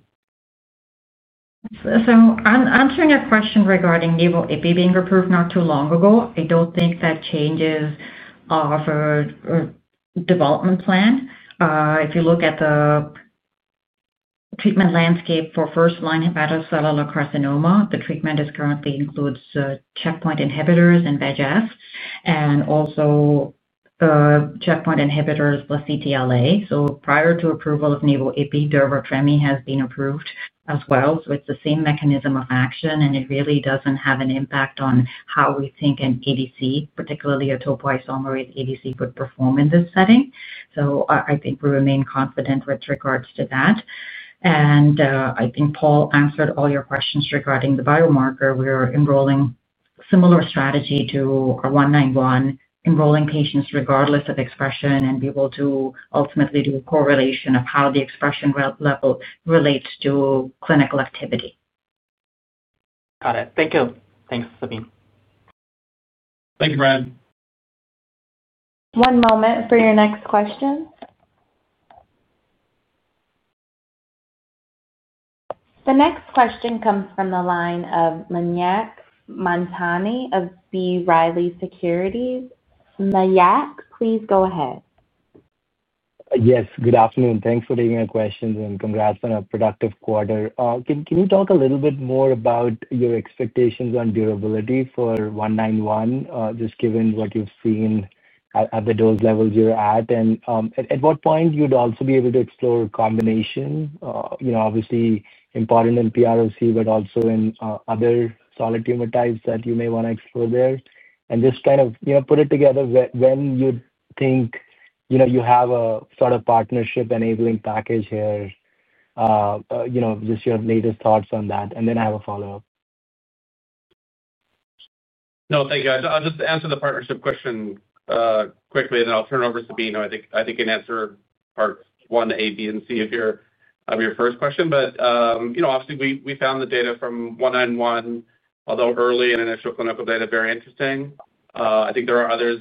I'm answering a question regarding Nevo IP being approved not too long ago. I don't think that changes our development plan. If you look at the treatment landscape for first-line hepatocellular carcinoma, the treatment currently includes checkpoint inhibitors and VEGF and also checkpoint inhibitors plus CTLA. Prior to approval of Nevo IP, durvalumab has been approved as well. It's the same mechanism of action, and it really doesn't have an impact on how we think an ADC, particularly a Topoisomerase ADC, would perform in this setting. I think we remain confident with regards to that. I think Paul answered all your questions regarding the biomarker. We are enrolling a similar strategy to our 191, enrolling patients regardless of expression and be able to ultimately do a correlation of how the expression level relates to clinical activity. Got it. Thank you. Thanks, Sabeen. Thank you, Brian. One moment for your next question. The next question comes from the line of Mayank Mamtani of B. Riley Securities. Mayank, please go ahead. Yes. Good afternoon. Thanks for taking our questions and congrats on a productive quarter. Can you talk a little bit more about your expectations on durability for 191, just given what you've seen at the dose levels you're at, and at what point you'd also be able to explore combination, obviously important in PROC, but also in other solid Tumor types that you may want to explore there? Just kind of put it together when you think you have a sort of partnership-enabling package here. Just your latest thoughts on that. I have a follow-up. No, thank you. I'll just answer the partnership question quickly, and then I'll turn it over to Sabeen. I think I can answer part one, A, B, and C of your first question. Obviously, we found the data from 191, although early and initial clinical data, very interesting. I think there are others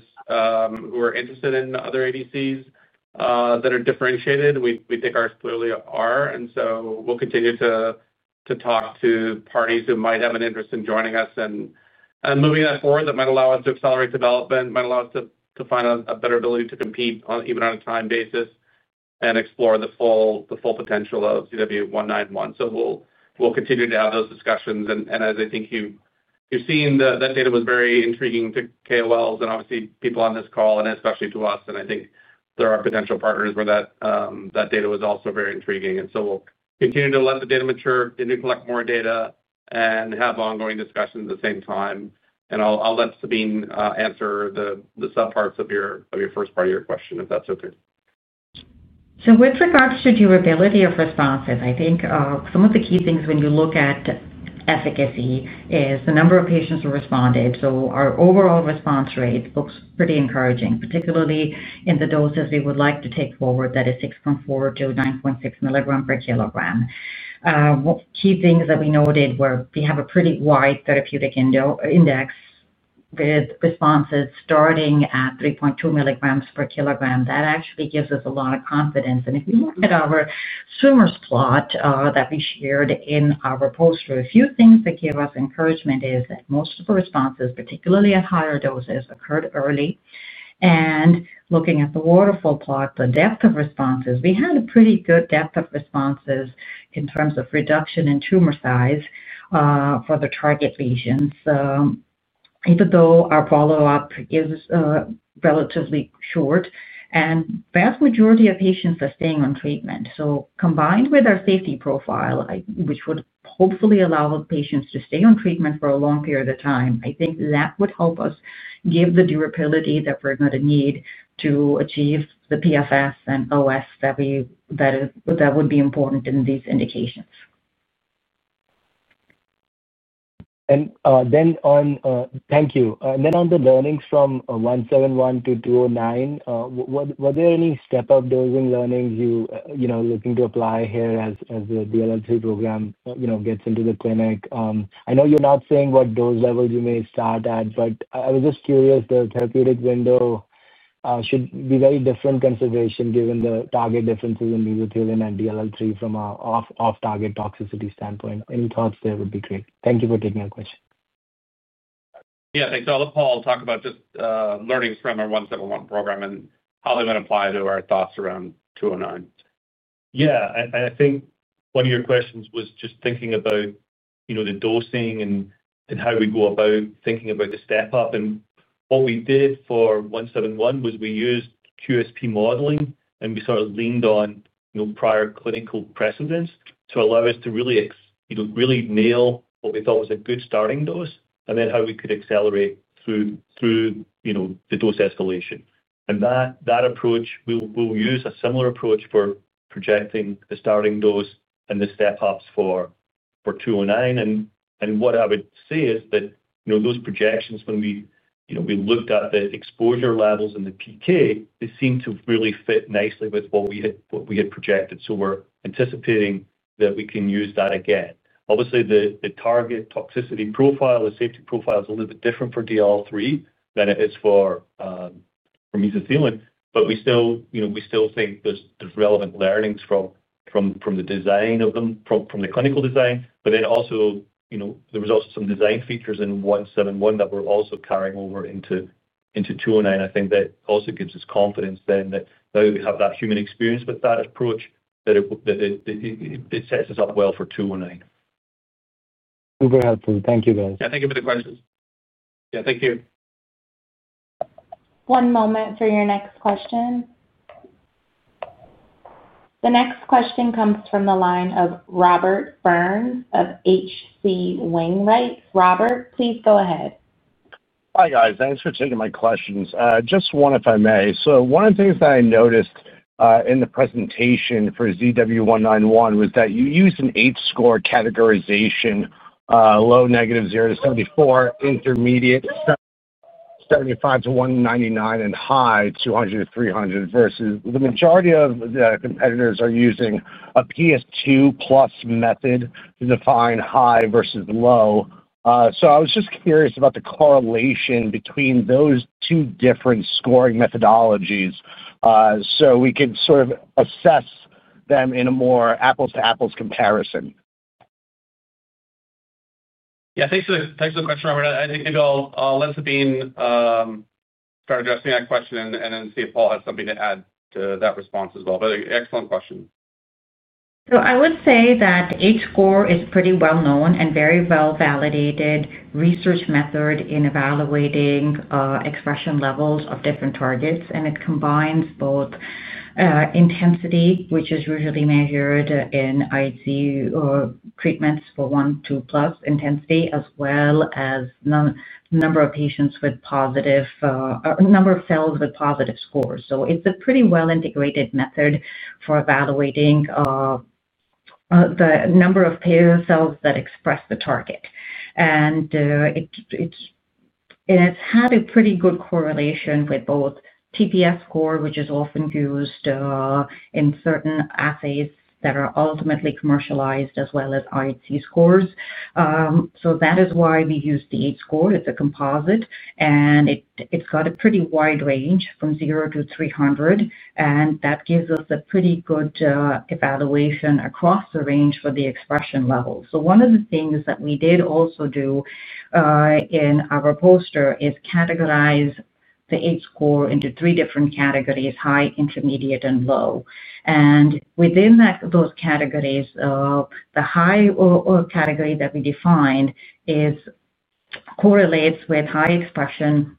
who are interested in other ADCs that are differentiated. We think ours clearly are. We will continue to talk to parties who might have an interest in joining us and moving that forward. That might allow us to accelerate development, might allow us to find a better ability to compete even on a time basis and explore the full potential of ZW191. We will continue to have those discussions. As I think you've seen, that data was very intriguing to KOLs and obviously people on this call, and especially to us. I think there are potential partners where that data was also very intriguing. We'll continue to let the data mature and to collect more data and have ongoing discussions at the same time. I'll let Sabeen answer the subparts of your first part of your question, if that's okay. With regards to durability of responses, I think some of the key things when you look at efficacy is the number of patients who responded. Our overall response rate looks pretty encouraging, particularly in the doses we would like to take forward, that is 6.4 mg-9.6 mg per kg. Key things that we noted were we have a pretty wide therapeutic index, with responses starting at 3.2 mg per kg. That actually gives us a lot of confidence. If we look at our Tumor plot that we shared in our poster, a few things that give us encouragement is that most of the responses, particularly at higher doses, occurred early. Looking at the waterfall plot, the depth of responses, we had a pretty good depth of responses in terms of reduction in Tumor size for the target lesions. Even though our follow-up is. Relatively short, and the vast majority of patients are staying on treatment. Combined with our safety profile, which would hopefully allow patients to stay on treatment for a long period of time, I think that would help us give the durability that we're going to need to achieve the PFS and OS that would be important in these indications. Thank you. On the learnings from 171 to 209, were there any step-up dosing learnings you're looking to apply here as the DLL3 program gets into the clinic? I know you're not saying what dose levels you may start at, but I was just curious the therapeutic window. Should be very different consideration given the target differences in Mesothelin and DLL3 from an off-target toxicity standpoint. Any thoughts there would be great. Thank you for taking our question. Yeah. Thanks. I'll let Paul talk about just learnings from our 171 program and how they might apply to our thoughts around 209. Yeah. I think one of your questions was just thinking about the dosing and how we go about thinking about the step-up. What we did for 171 was we used QSP modeling, and we sort of leaned on prior clinical precedents to allow us to really nail what we thought was a good starting dose and then how we could accelerate through the dose escalation. That approach, we'll use a similar approach for projecting the starting dose and the step-ups for 209. What I would say is that those projections, when we looked at the exposure levels and the PK, they seem to really fit nicely with what we had projected. We are anticipating that we can use that again. Obviously, the target toxicity profile, the safety profile is a little bit different for DLL3 than it is for Mesothelin, but we still. Think there's relevant learnings from the design of them, from the clinical design. There were also some design features in 171 that we're also carrying over into 209. I think that also gives us confidence then that we have that human experience with that approach. It sets us up well for 209. Super helpful. Thank you, guys. Yeah. Thank you for the questions. Thank you. One moment for your next question. The next question comes from the line of Robert Burns of H.C. Wainwright. Robert, please go ahead. Hi, guys. Thanks for taking my questions. Just one, if I may. One of the things that I noticed in the presentation for ZW191 was that you used an H-score categorization. Low negative 0-74, intermediate 75-199, and high 200-300, versus the majority of the competitors are using a PS2 plus method to define high versus low. I was just curious about the correlation between those two different scoring methodologies so we could sort of assess them in a more apples-to-apples comparison. Yeah. Thanks for the question, Robert. I think I'll let Sabeen start addressing that question and then see if Paul has something to add to that response as well. Excellent question. I would say that H-score is a pretty well-known and very well-validated research method in evaluating expression levels of different targets. It combines both intensity, which is usually measured in IHC treatments for 1 to 2+ intensity, as well as number of patients with positive or number of cells with positive scores. It is a pretty well-integrated method for evaluating the number of cells that express the target. It has had a pretty good correlation with both TPS score, which is often used in certain assays that are ultimately commercialized, as well as IC scores. That is why we use the H-score. It is a composite, and it has a pretty wide range from 0-300. That gives us a pretty good evaluation across the range for the expression levels. One of the things that we did also do. In our poster, we categorize the H-score into three different categories: high, intermediate, and low. Within those categories, the high category that we defined correlates with high expression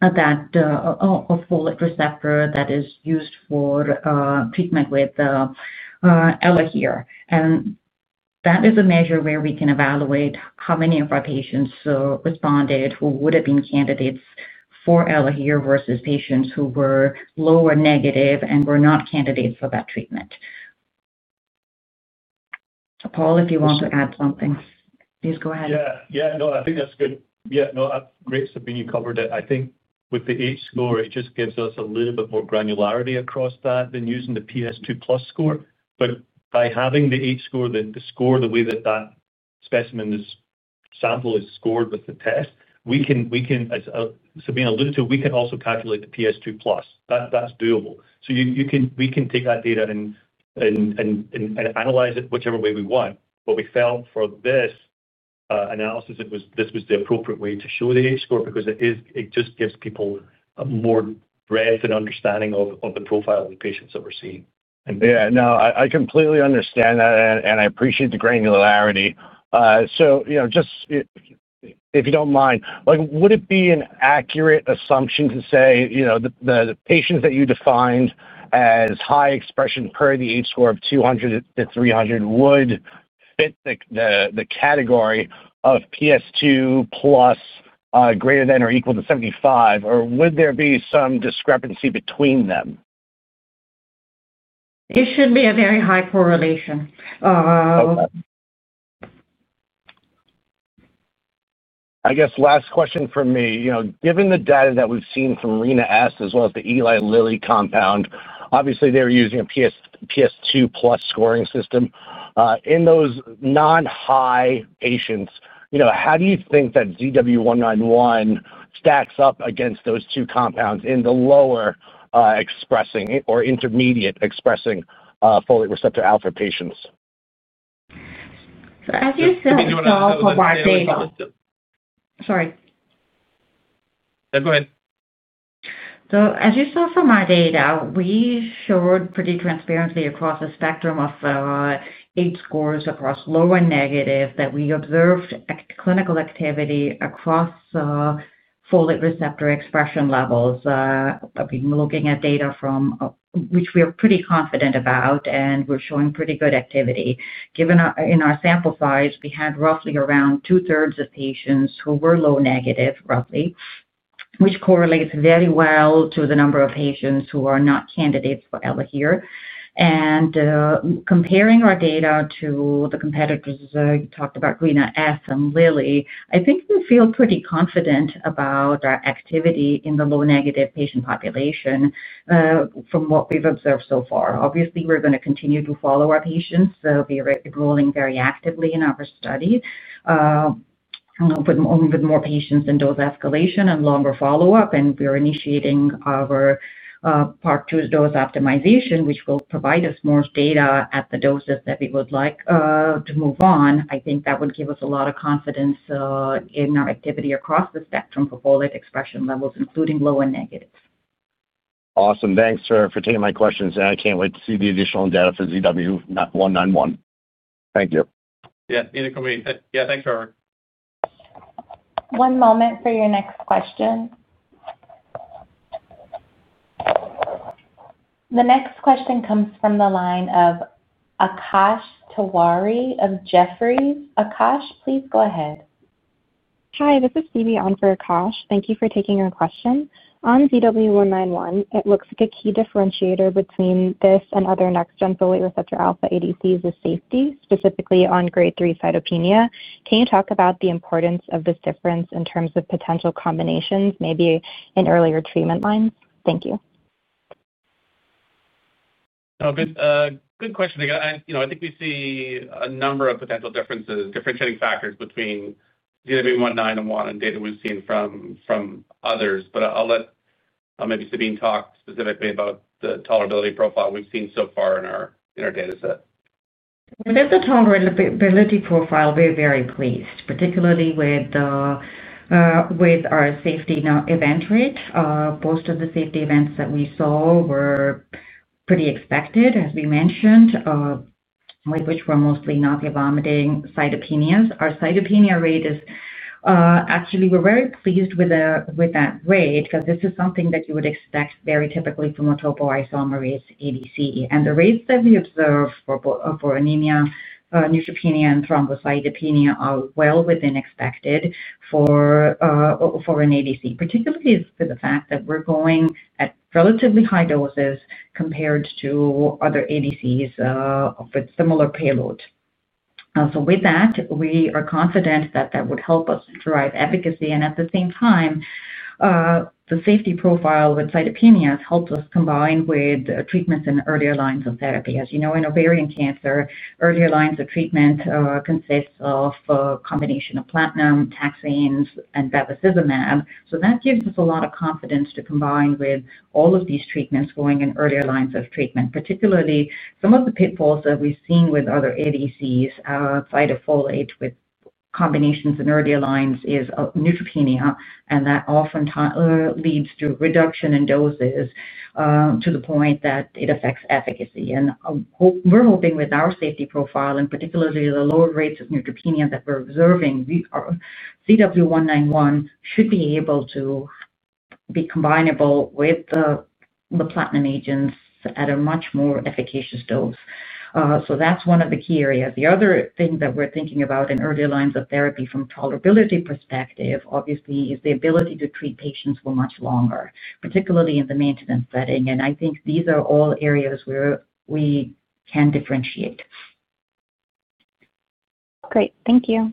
of Folate Receptor that is used for treatment with Elahere. That is a measure where we can evaluate how many of our patients responded who would have been candidates for Elahere versus patients who were lower or negative and were not candidates for that treatment. Paul, if you want to add something, please go ahead. Yeah. Yeah. No, I think that's good. Yeah. No, great, Sabeen, you covered it. I think with the H-score, it just gives us a little bit more granularity across that than using the PS2 plus score. By having the H-score, the score the way that that specimen sample is scored with the test, we can, as Sabeen alluded to, we can also calculate the PS2 plus. That's doable. We can take that data and analyze it whichever way we want. We felt for this analysis, this was the appropriate way to show the H-score because it just gives people more breadth and understanding of the profile of the patients that we're seeing. Yeah. No, I completely understand that, and I appreciate the granularity. Just, if you do not mind, would it be an accurate assumption to say the patients that you defined as high expression per the H-score of 200-300 would fit the category of PS2 plus, greater than or equal to 75%, or would there be some discrepancy between them? It should be a very high correlation. I guess last question for me. Given the data that we've seen from Rina-S as well as the Eli Lilly compound, obviously, they're using a PS2 plus scoring system. In those non-high patients, how do you think that ZW191 stacks up against those two compounds in the lower expressing or intermediate expressing Folate Receptor Alpha patients? As you saw from our data. Can you do an example of our data? Sorry. Yeah. Go ahead. As you saw from our data, we showed pretty transparently across a spectrum of H-scores across low or negative that we observed clinical activity across folate receptor expression levels. We've been looking at data from which we are pretty confident about, and we're showing pretty good activity. In our sample size, we had roughly around two-thirds of patients who were low or negative, roughly, which correlates very well to the number of patients who are not candidates for Elahere. Comparing our data to the competitors we talked about, Rina-S and Lilly, I think we feel pretty confident about our activity in the low or negative patient population from what we've observed so far. Obviously, we're going to continue to follow our patients. We're enrolling very actively in our study with more patients in dose escalation and longer follow-up, and we're initiating our. Part two dose optimization, which will provide us more data at the doses that we would like to move on. I think that would give us a lot of confidence in our activity across the spectrum for Folate expression levels, including low and negative. Awesome. Thanks for taking my questions. I can't wait to see the additional data for ZW191. Thank you. Yeah. Yeah. Thanks, Robert. One moment for your next question. The next question comes from the line of Akash Tewari of Jefferies. Akash, please go ahead. Hi. This is Stevie on for Akash. Thank you for taking our question. On ZW191, it looks like a key differentiator between this and other next-gen Folate Receptor Alpha ADCs is safety, specifically on grade three Cytopenia. Can you talk about the importance of this difference in terms of potential combinations, maybe in earlier treatment lines? Thank you. Good question, Leah. I think we see a number of potential differences, differentiating factors between ZW191 and data we've seen from others. I'll let maybe Sabeen talk specifically about the tolerability profile we've seen so far in our dataset. With the tolerability profile, we're very pleased, particularly with our safety event rate. Most of the safety events that we saw were pretty expected, as we mentioned, which were mostly nausea, vomiting, Cytopenias. Our Cytopenia rate is actually, we're very pleased with that rate because this is something that you would expect very typically from a Topoisomerase ADC. And the rates that we observe for Anemia, Neutropenia, and Thrombocytopenia are well within expected for an ADC, particularly for the fact that we're going at relatively high doses compared to other ADCs with similar payload. With that, we are confident that that would help us drive efficacy. At the same time, the safety profile with Cytopenias helps us combine with treatments in earlier lines of therapy. As you know, in ovarian cancer, earlier lines of treatment consist of a combination of platinum, taxanes, and bevacizumab. That gives us a lot of confidence to combine with all of these treatments going in earlier lines of treatment, particularly some of the pitfalls that we've seen with other ADCs. Cytopholate with combinations in earlier lines is Neutropenia, and that oftentimes leads to reduction in doses to the point that it affects efficacy. We're hoping with our safety profile, and particularly the lower rates of Neutropenia that we're observing, ZW191 should be able to be combinable with the platinum agents at a much more efficacious dose. That's one of the key areas. The other thing that we're thinking about in earlier lines of therapy from a tolerability perspective, obviously, is the ability to treat patients for much longer, particularly in the maintenance setting. I think these are all areas where we can differentiate. Great. Thank you.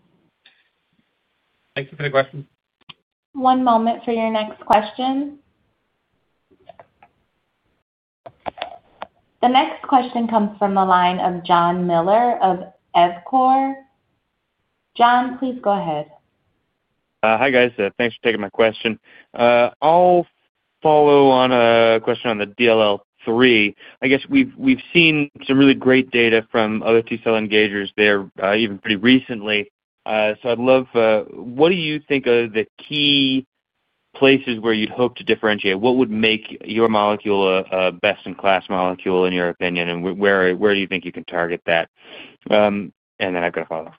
Thank you for the question. One moment for your next question. The next question comes from the line of John Miller of Evercore. John, please go ahead. Hi, guys. Thanks for taking my question. I'll follow on a question on the DLL3. I guess we've seen some really great data from other T Cell Engagers there, even pretty recently. I'd love what do you think are the key places where you'd hope to differentiate? What would make your molecule a best-in-class molecule, in your opinion? Where do you think you can target that? Then I've got to follow.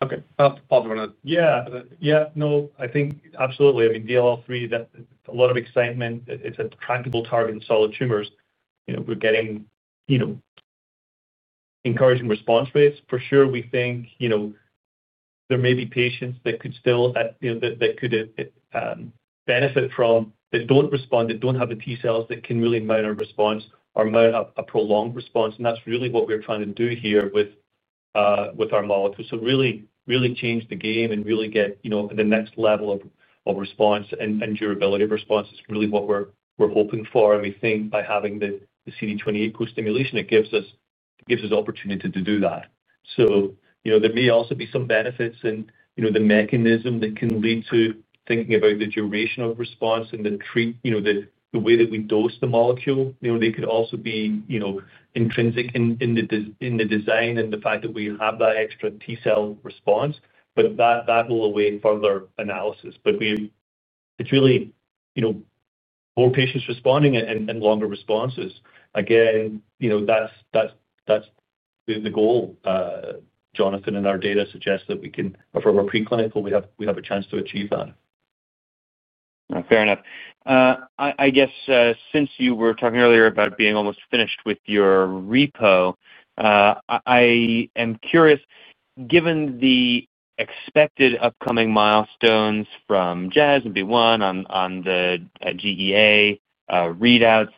Okay. I'll follow on that. Yeah. No, I think absolutely. I mean, DLL3, a lot of excitement. It's a trackable target in solid Tumors. We're getting encouraging response rates. For sure, we think there may be patients that could still benefit from that, that do not respond, that do not have the T-cells that can really mount a response or mount a prolonged response. That's really what we're trying to do here with our molecule. To really change the game and really get the next level of response and durability of response is really what we're hoping for. We think by having the CD28 co-stimulation, it gives us opportunity to do that. There may also be some benefits in the mechanism that can lead to thinking about the duration of response and the way that we dose the molecule. They could also be intrinsic in the design and the fact that we have that extra T-cell response. That will await further analysis. It is really more patients responding and longer responses. Again, that's the goal, Jonathan, and our data suggest that we can, or from a preclinical, we have a chance to achieve that. Fair enough. I guess since you were talking earlier about being almost finished with your repo, I am curious, given the... Expected upcoming milestones from Jazz and BeOne on the GEA readouts.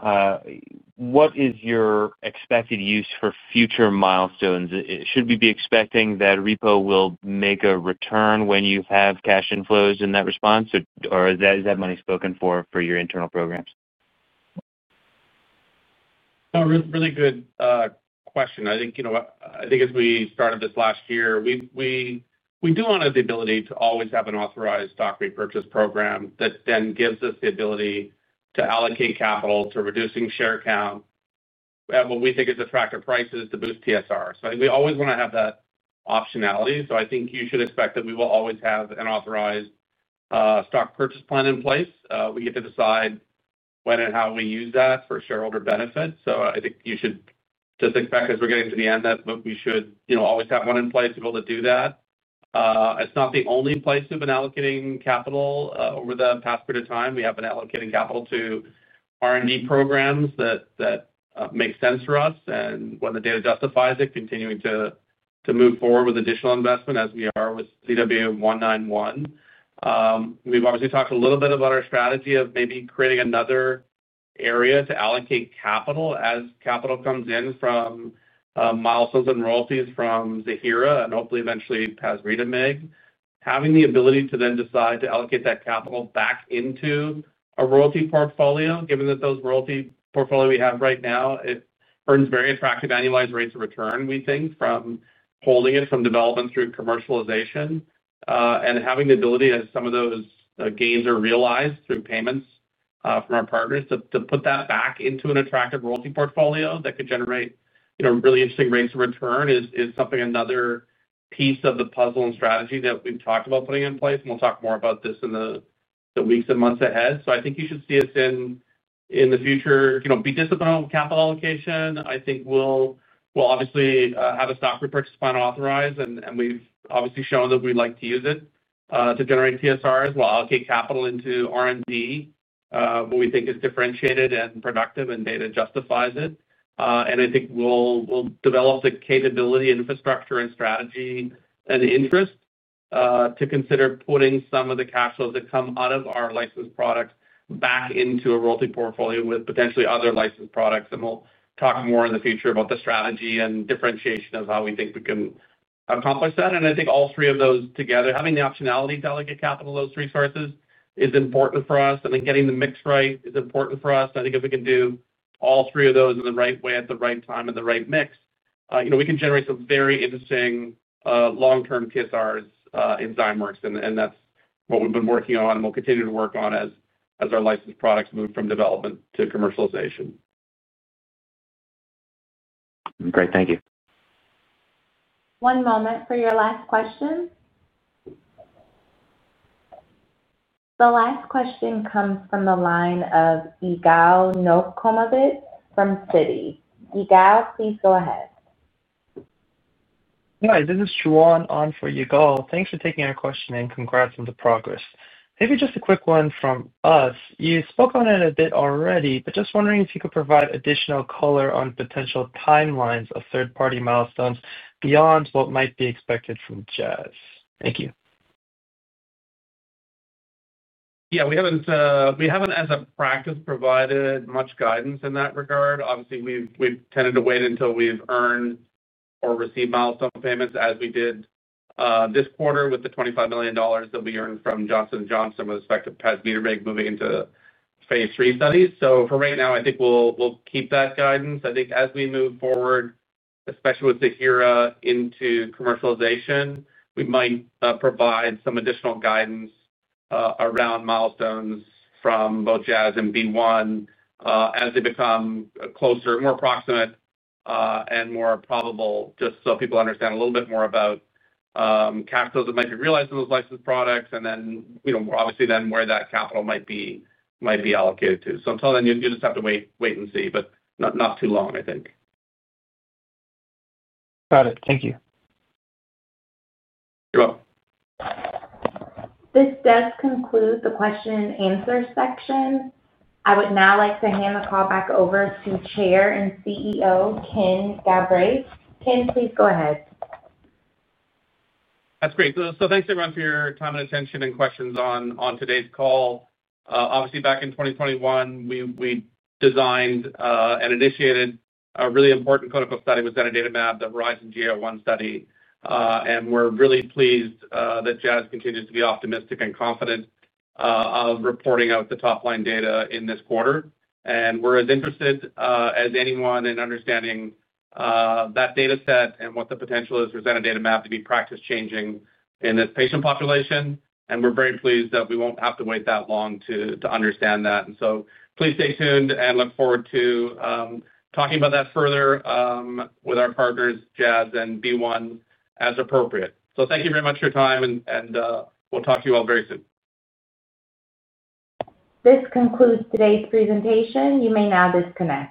What is your expected use for future milestones? Should we be expecting that repo will make a return when you have cash inflows in that response, or is that money spoken for for your internal programs? No, really good question. I think. As we started this last year, we do want the ability to always have an authorized stock repurchase program that then gives us the ability to allocate capital to reducing share count at what we think is attractive prices to boost TSR. I think we always want to have that optionality. I think you should expect that we will always have an authorized stock purchase plan in place. We get to decide when and how we use that for shareholder benefit. I think you should just expect, as we're getting to the end, that we should always have one in place to be able to do that. It's not the only place we've been allocating capital over the past period of time. We have been allocating capital to R&D programs that make sense for us. And when the data justifies it, continuing to move forward with additional investment as we are with ZW191. We've obviously talked a little bit about our strategy of maybe creating another area to allocate capital as capital comes in from milestones and royalties from Ziihera and hopefully eventually pacritinib. Having the ability to then decide to allocate that capital back into a royalty portfolio, given that those royalty portfolio we have right now, it earns very attractive annualized rates of return, we think, from holding it from development through commercialization. Having the ability, as some of those gains are realized through payments from our partners, to put that back into an attractive royalty portfolio that could generate really interesting rates of return is another piece of the puzzle and strategy that we have talked about putting in place. We will talk more about this in the weeks and months ahead. I think you should see us in the future be disciplined with capital allocation. I think we will obviously have a stock repurchase plan authorized. We have obviously shown that we would like to use it to generate TSRs. We will allocate capital into R&D where we think it is differentiated and productive and data justifies it. I think we will develop the capability, infrastructure, strategy, and interest. To consider putting some of the cash flows that come out of our licensed product back into a royalty portfolio with potentially other licensed products. We will talk more in the future about the strategy and differentiation of how we think we can accomplish that. I think all three of those together, having the optionality to allocate capital to those resources is important for us. Getting the mix right is important for us. I think if we can do all three of those in the right way, at the right time, and the right mix, we can generate some very interesting long-term TSRs in Zymeworks. That is what we have been working on and we will continue to work on as our licensed products move from development to commercialization. Great. Thank you. One moment for your last question. The last question comes from the line of Yigal Nochomovitz from Citi. Yigal, please go ahead. Hi. This is Siouan on for Yigal. Thanks for taking our question and congrats on the progress. Maybe just a quick one from us. You spoke on it a bit already, but just wondering if you could provide additional color on potential timelines of third-party milestones beyond what might be expected from Jazz. Thank you. Yeah. We have not, as a practice, provided much guidance in that regard. Obviously, we have tended to wait until we have earned or received milestone payments, as we did this quarter with the $25 million that we earned from Johnson & Johnson with respect to pacritinib moving into phase three studies. For right now, I think we will keep that guidance. I think as we move forward, especially with Ziihera into commercialization, we might provide some additional guidance around milestones from both Jazz and BeOne as they become closer, more proximate. More probable, just so people understand a little bit more about capital that might be realized in those licensed products, and then obviously where that capital might be allocated to. Until then, you just have to wait and see, but not too long, I think. Got it. Thank you. You're welcome. This does conclude the question-and-answer section. I would now like to hand the call back over to Chair and CEO, Ken Galbraith. Ken, please go ahead. That's great. Thanks, everyone, for your time and attention and questions on today's call. Obviously, back in 2021, we designed and initiated a really important clinical study. It was zanidatamab, the HERIZON-GEA-01 study. We're really pleased that Jazz continues to be optimistic and confident of reporting out the top-line data in this quarter. We're as interested as anyone in understanding that dataset and what the potential is for zanidatamab to be practice-changing in this patient population. We're very pleased that we won't have to wait that long to understand that. Please stay tuned and look forward to talking about that further with our partners, Jazz and BeOne, as appropriate. Thank you very much for your time, and we'll talk to you all very soon. This concludes today's presentation. You may now disconnect.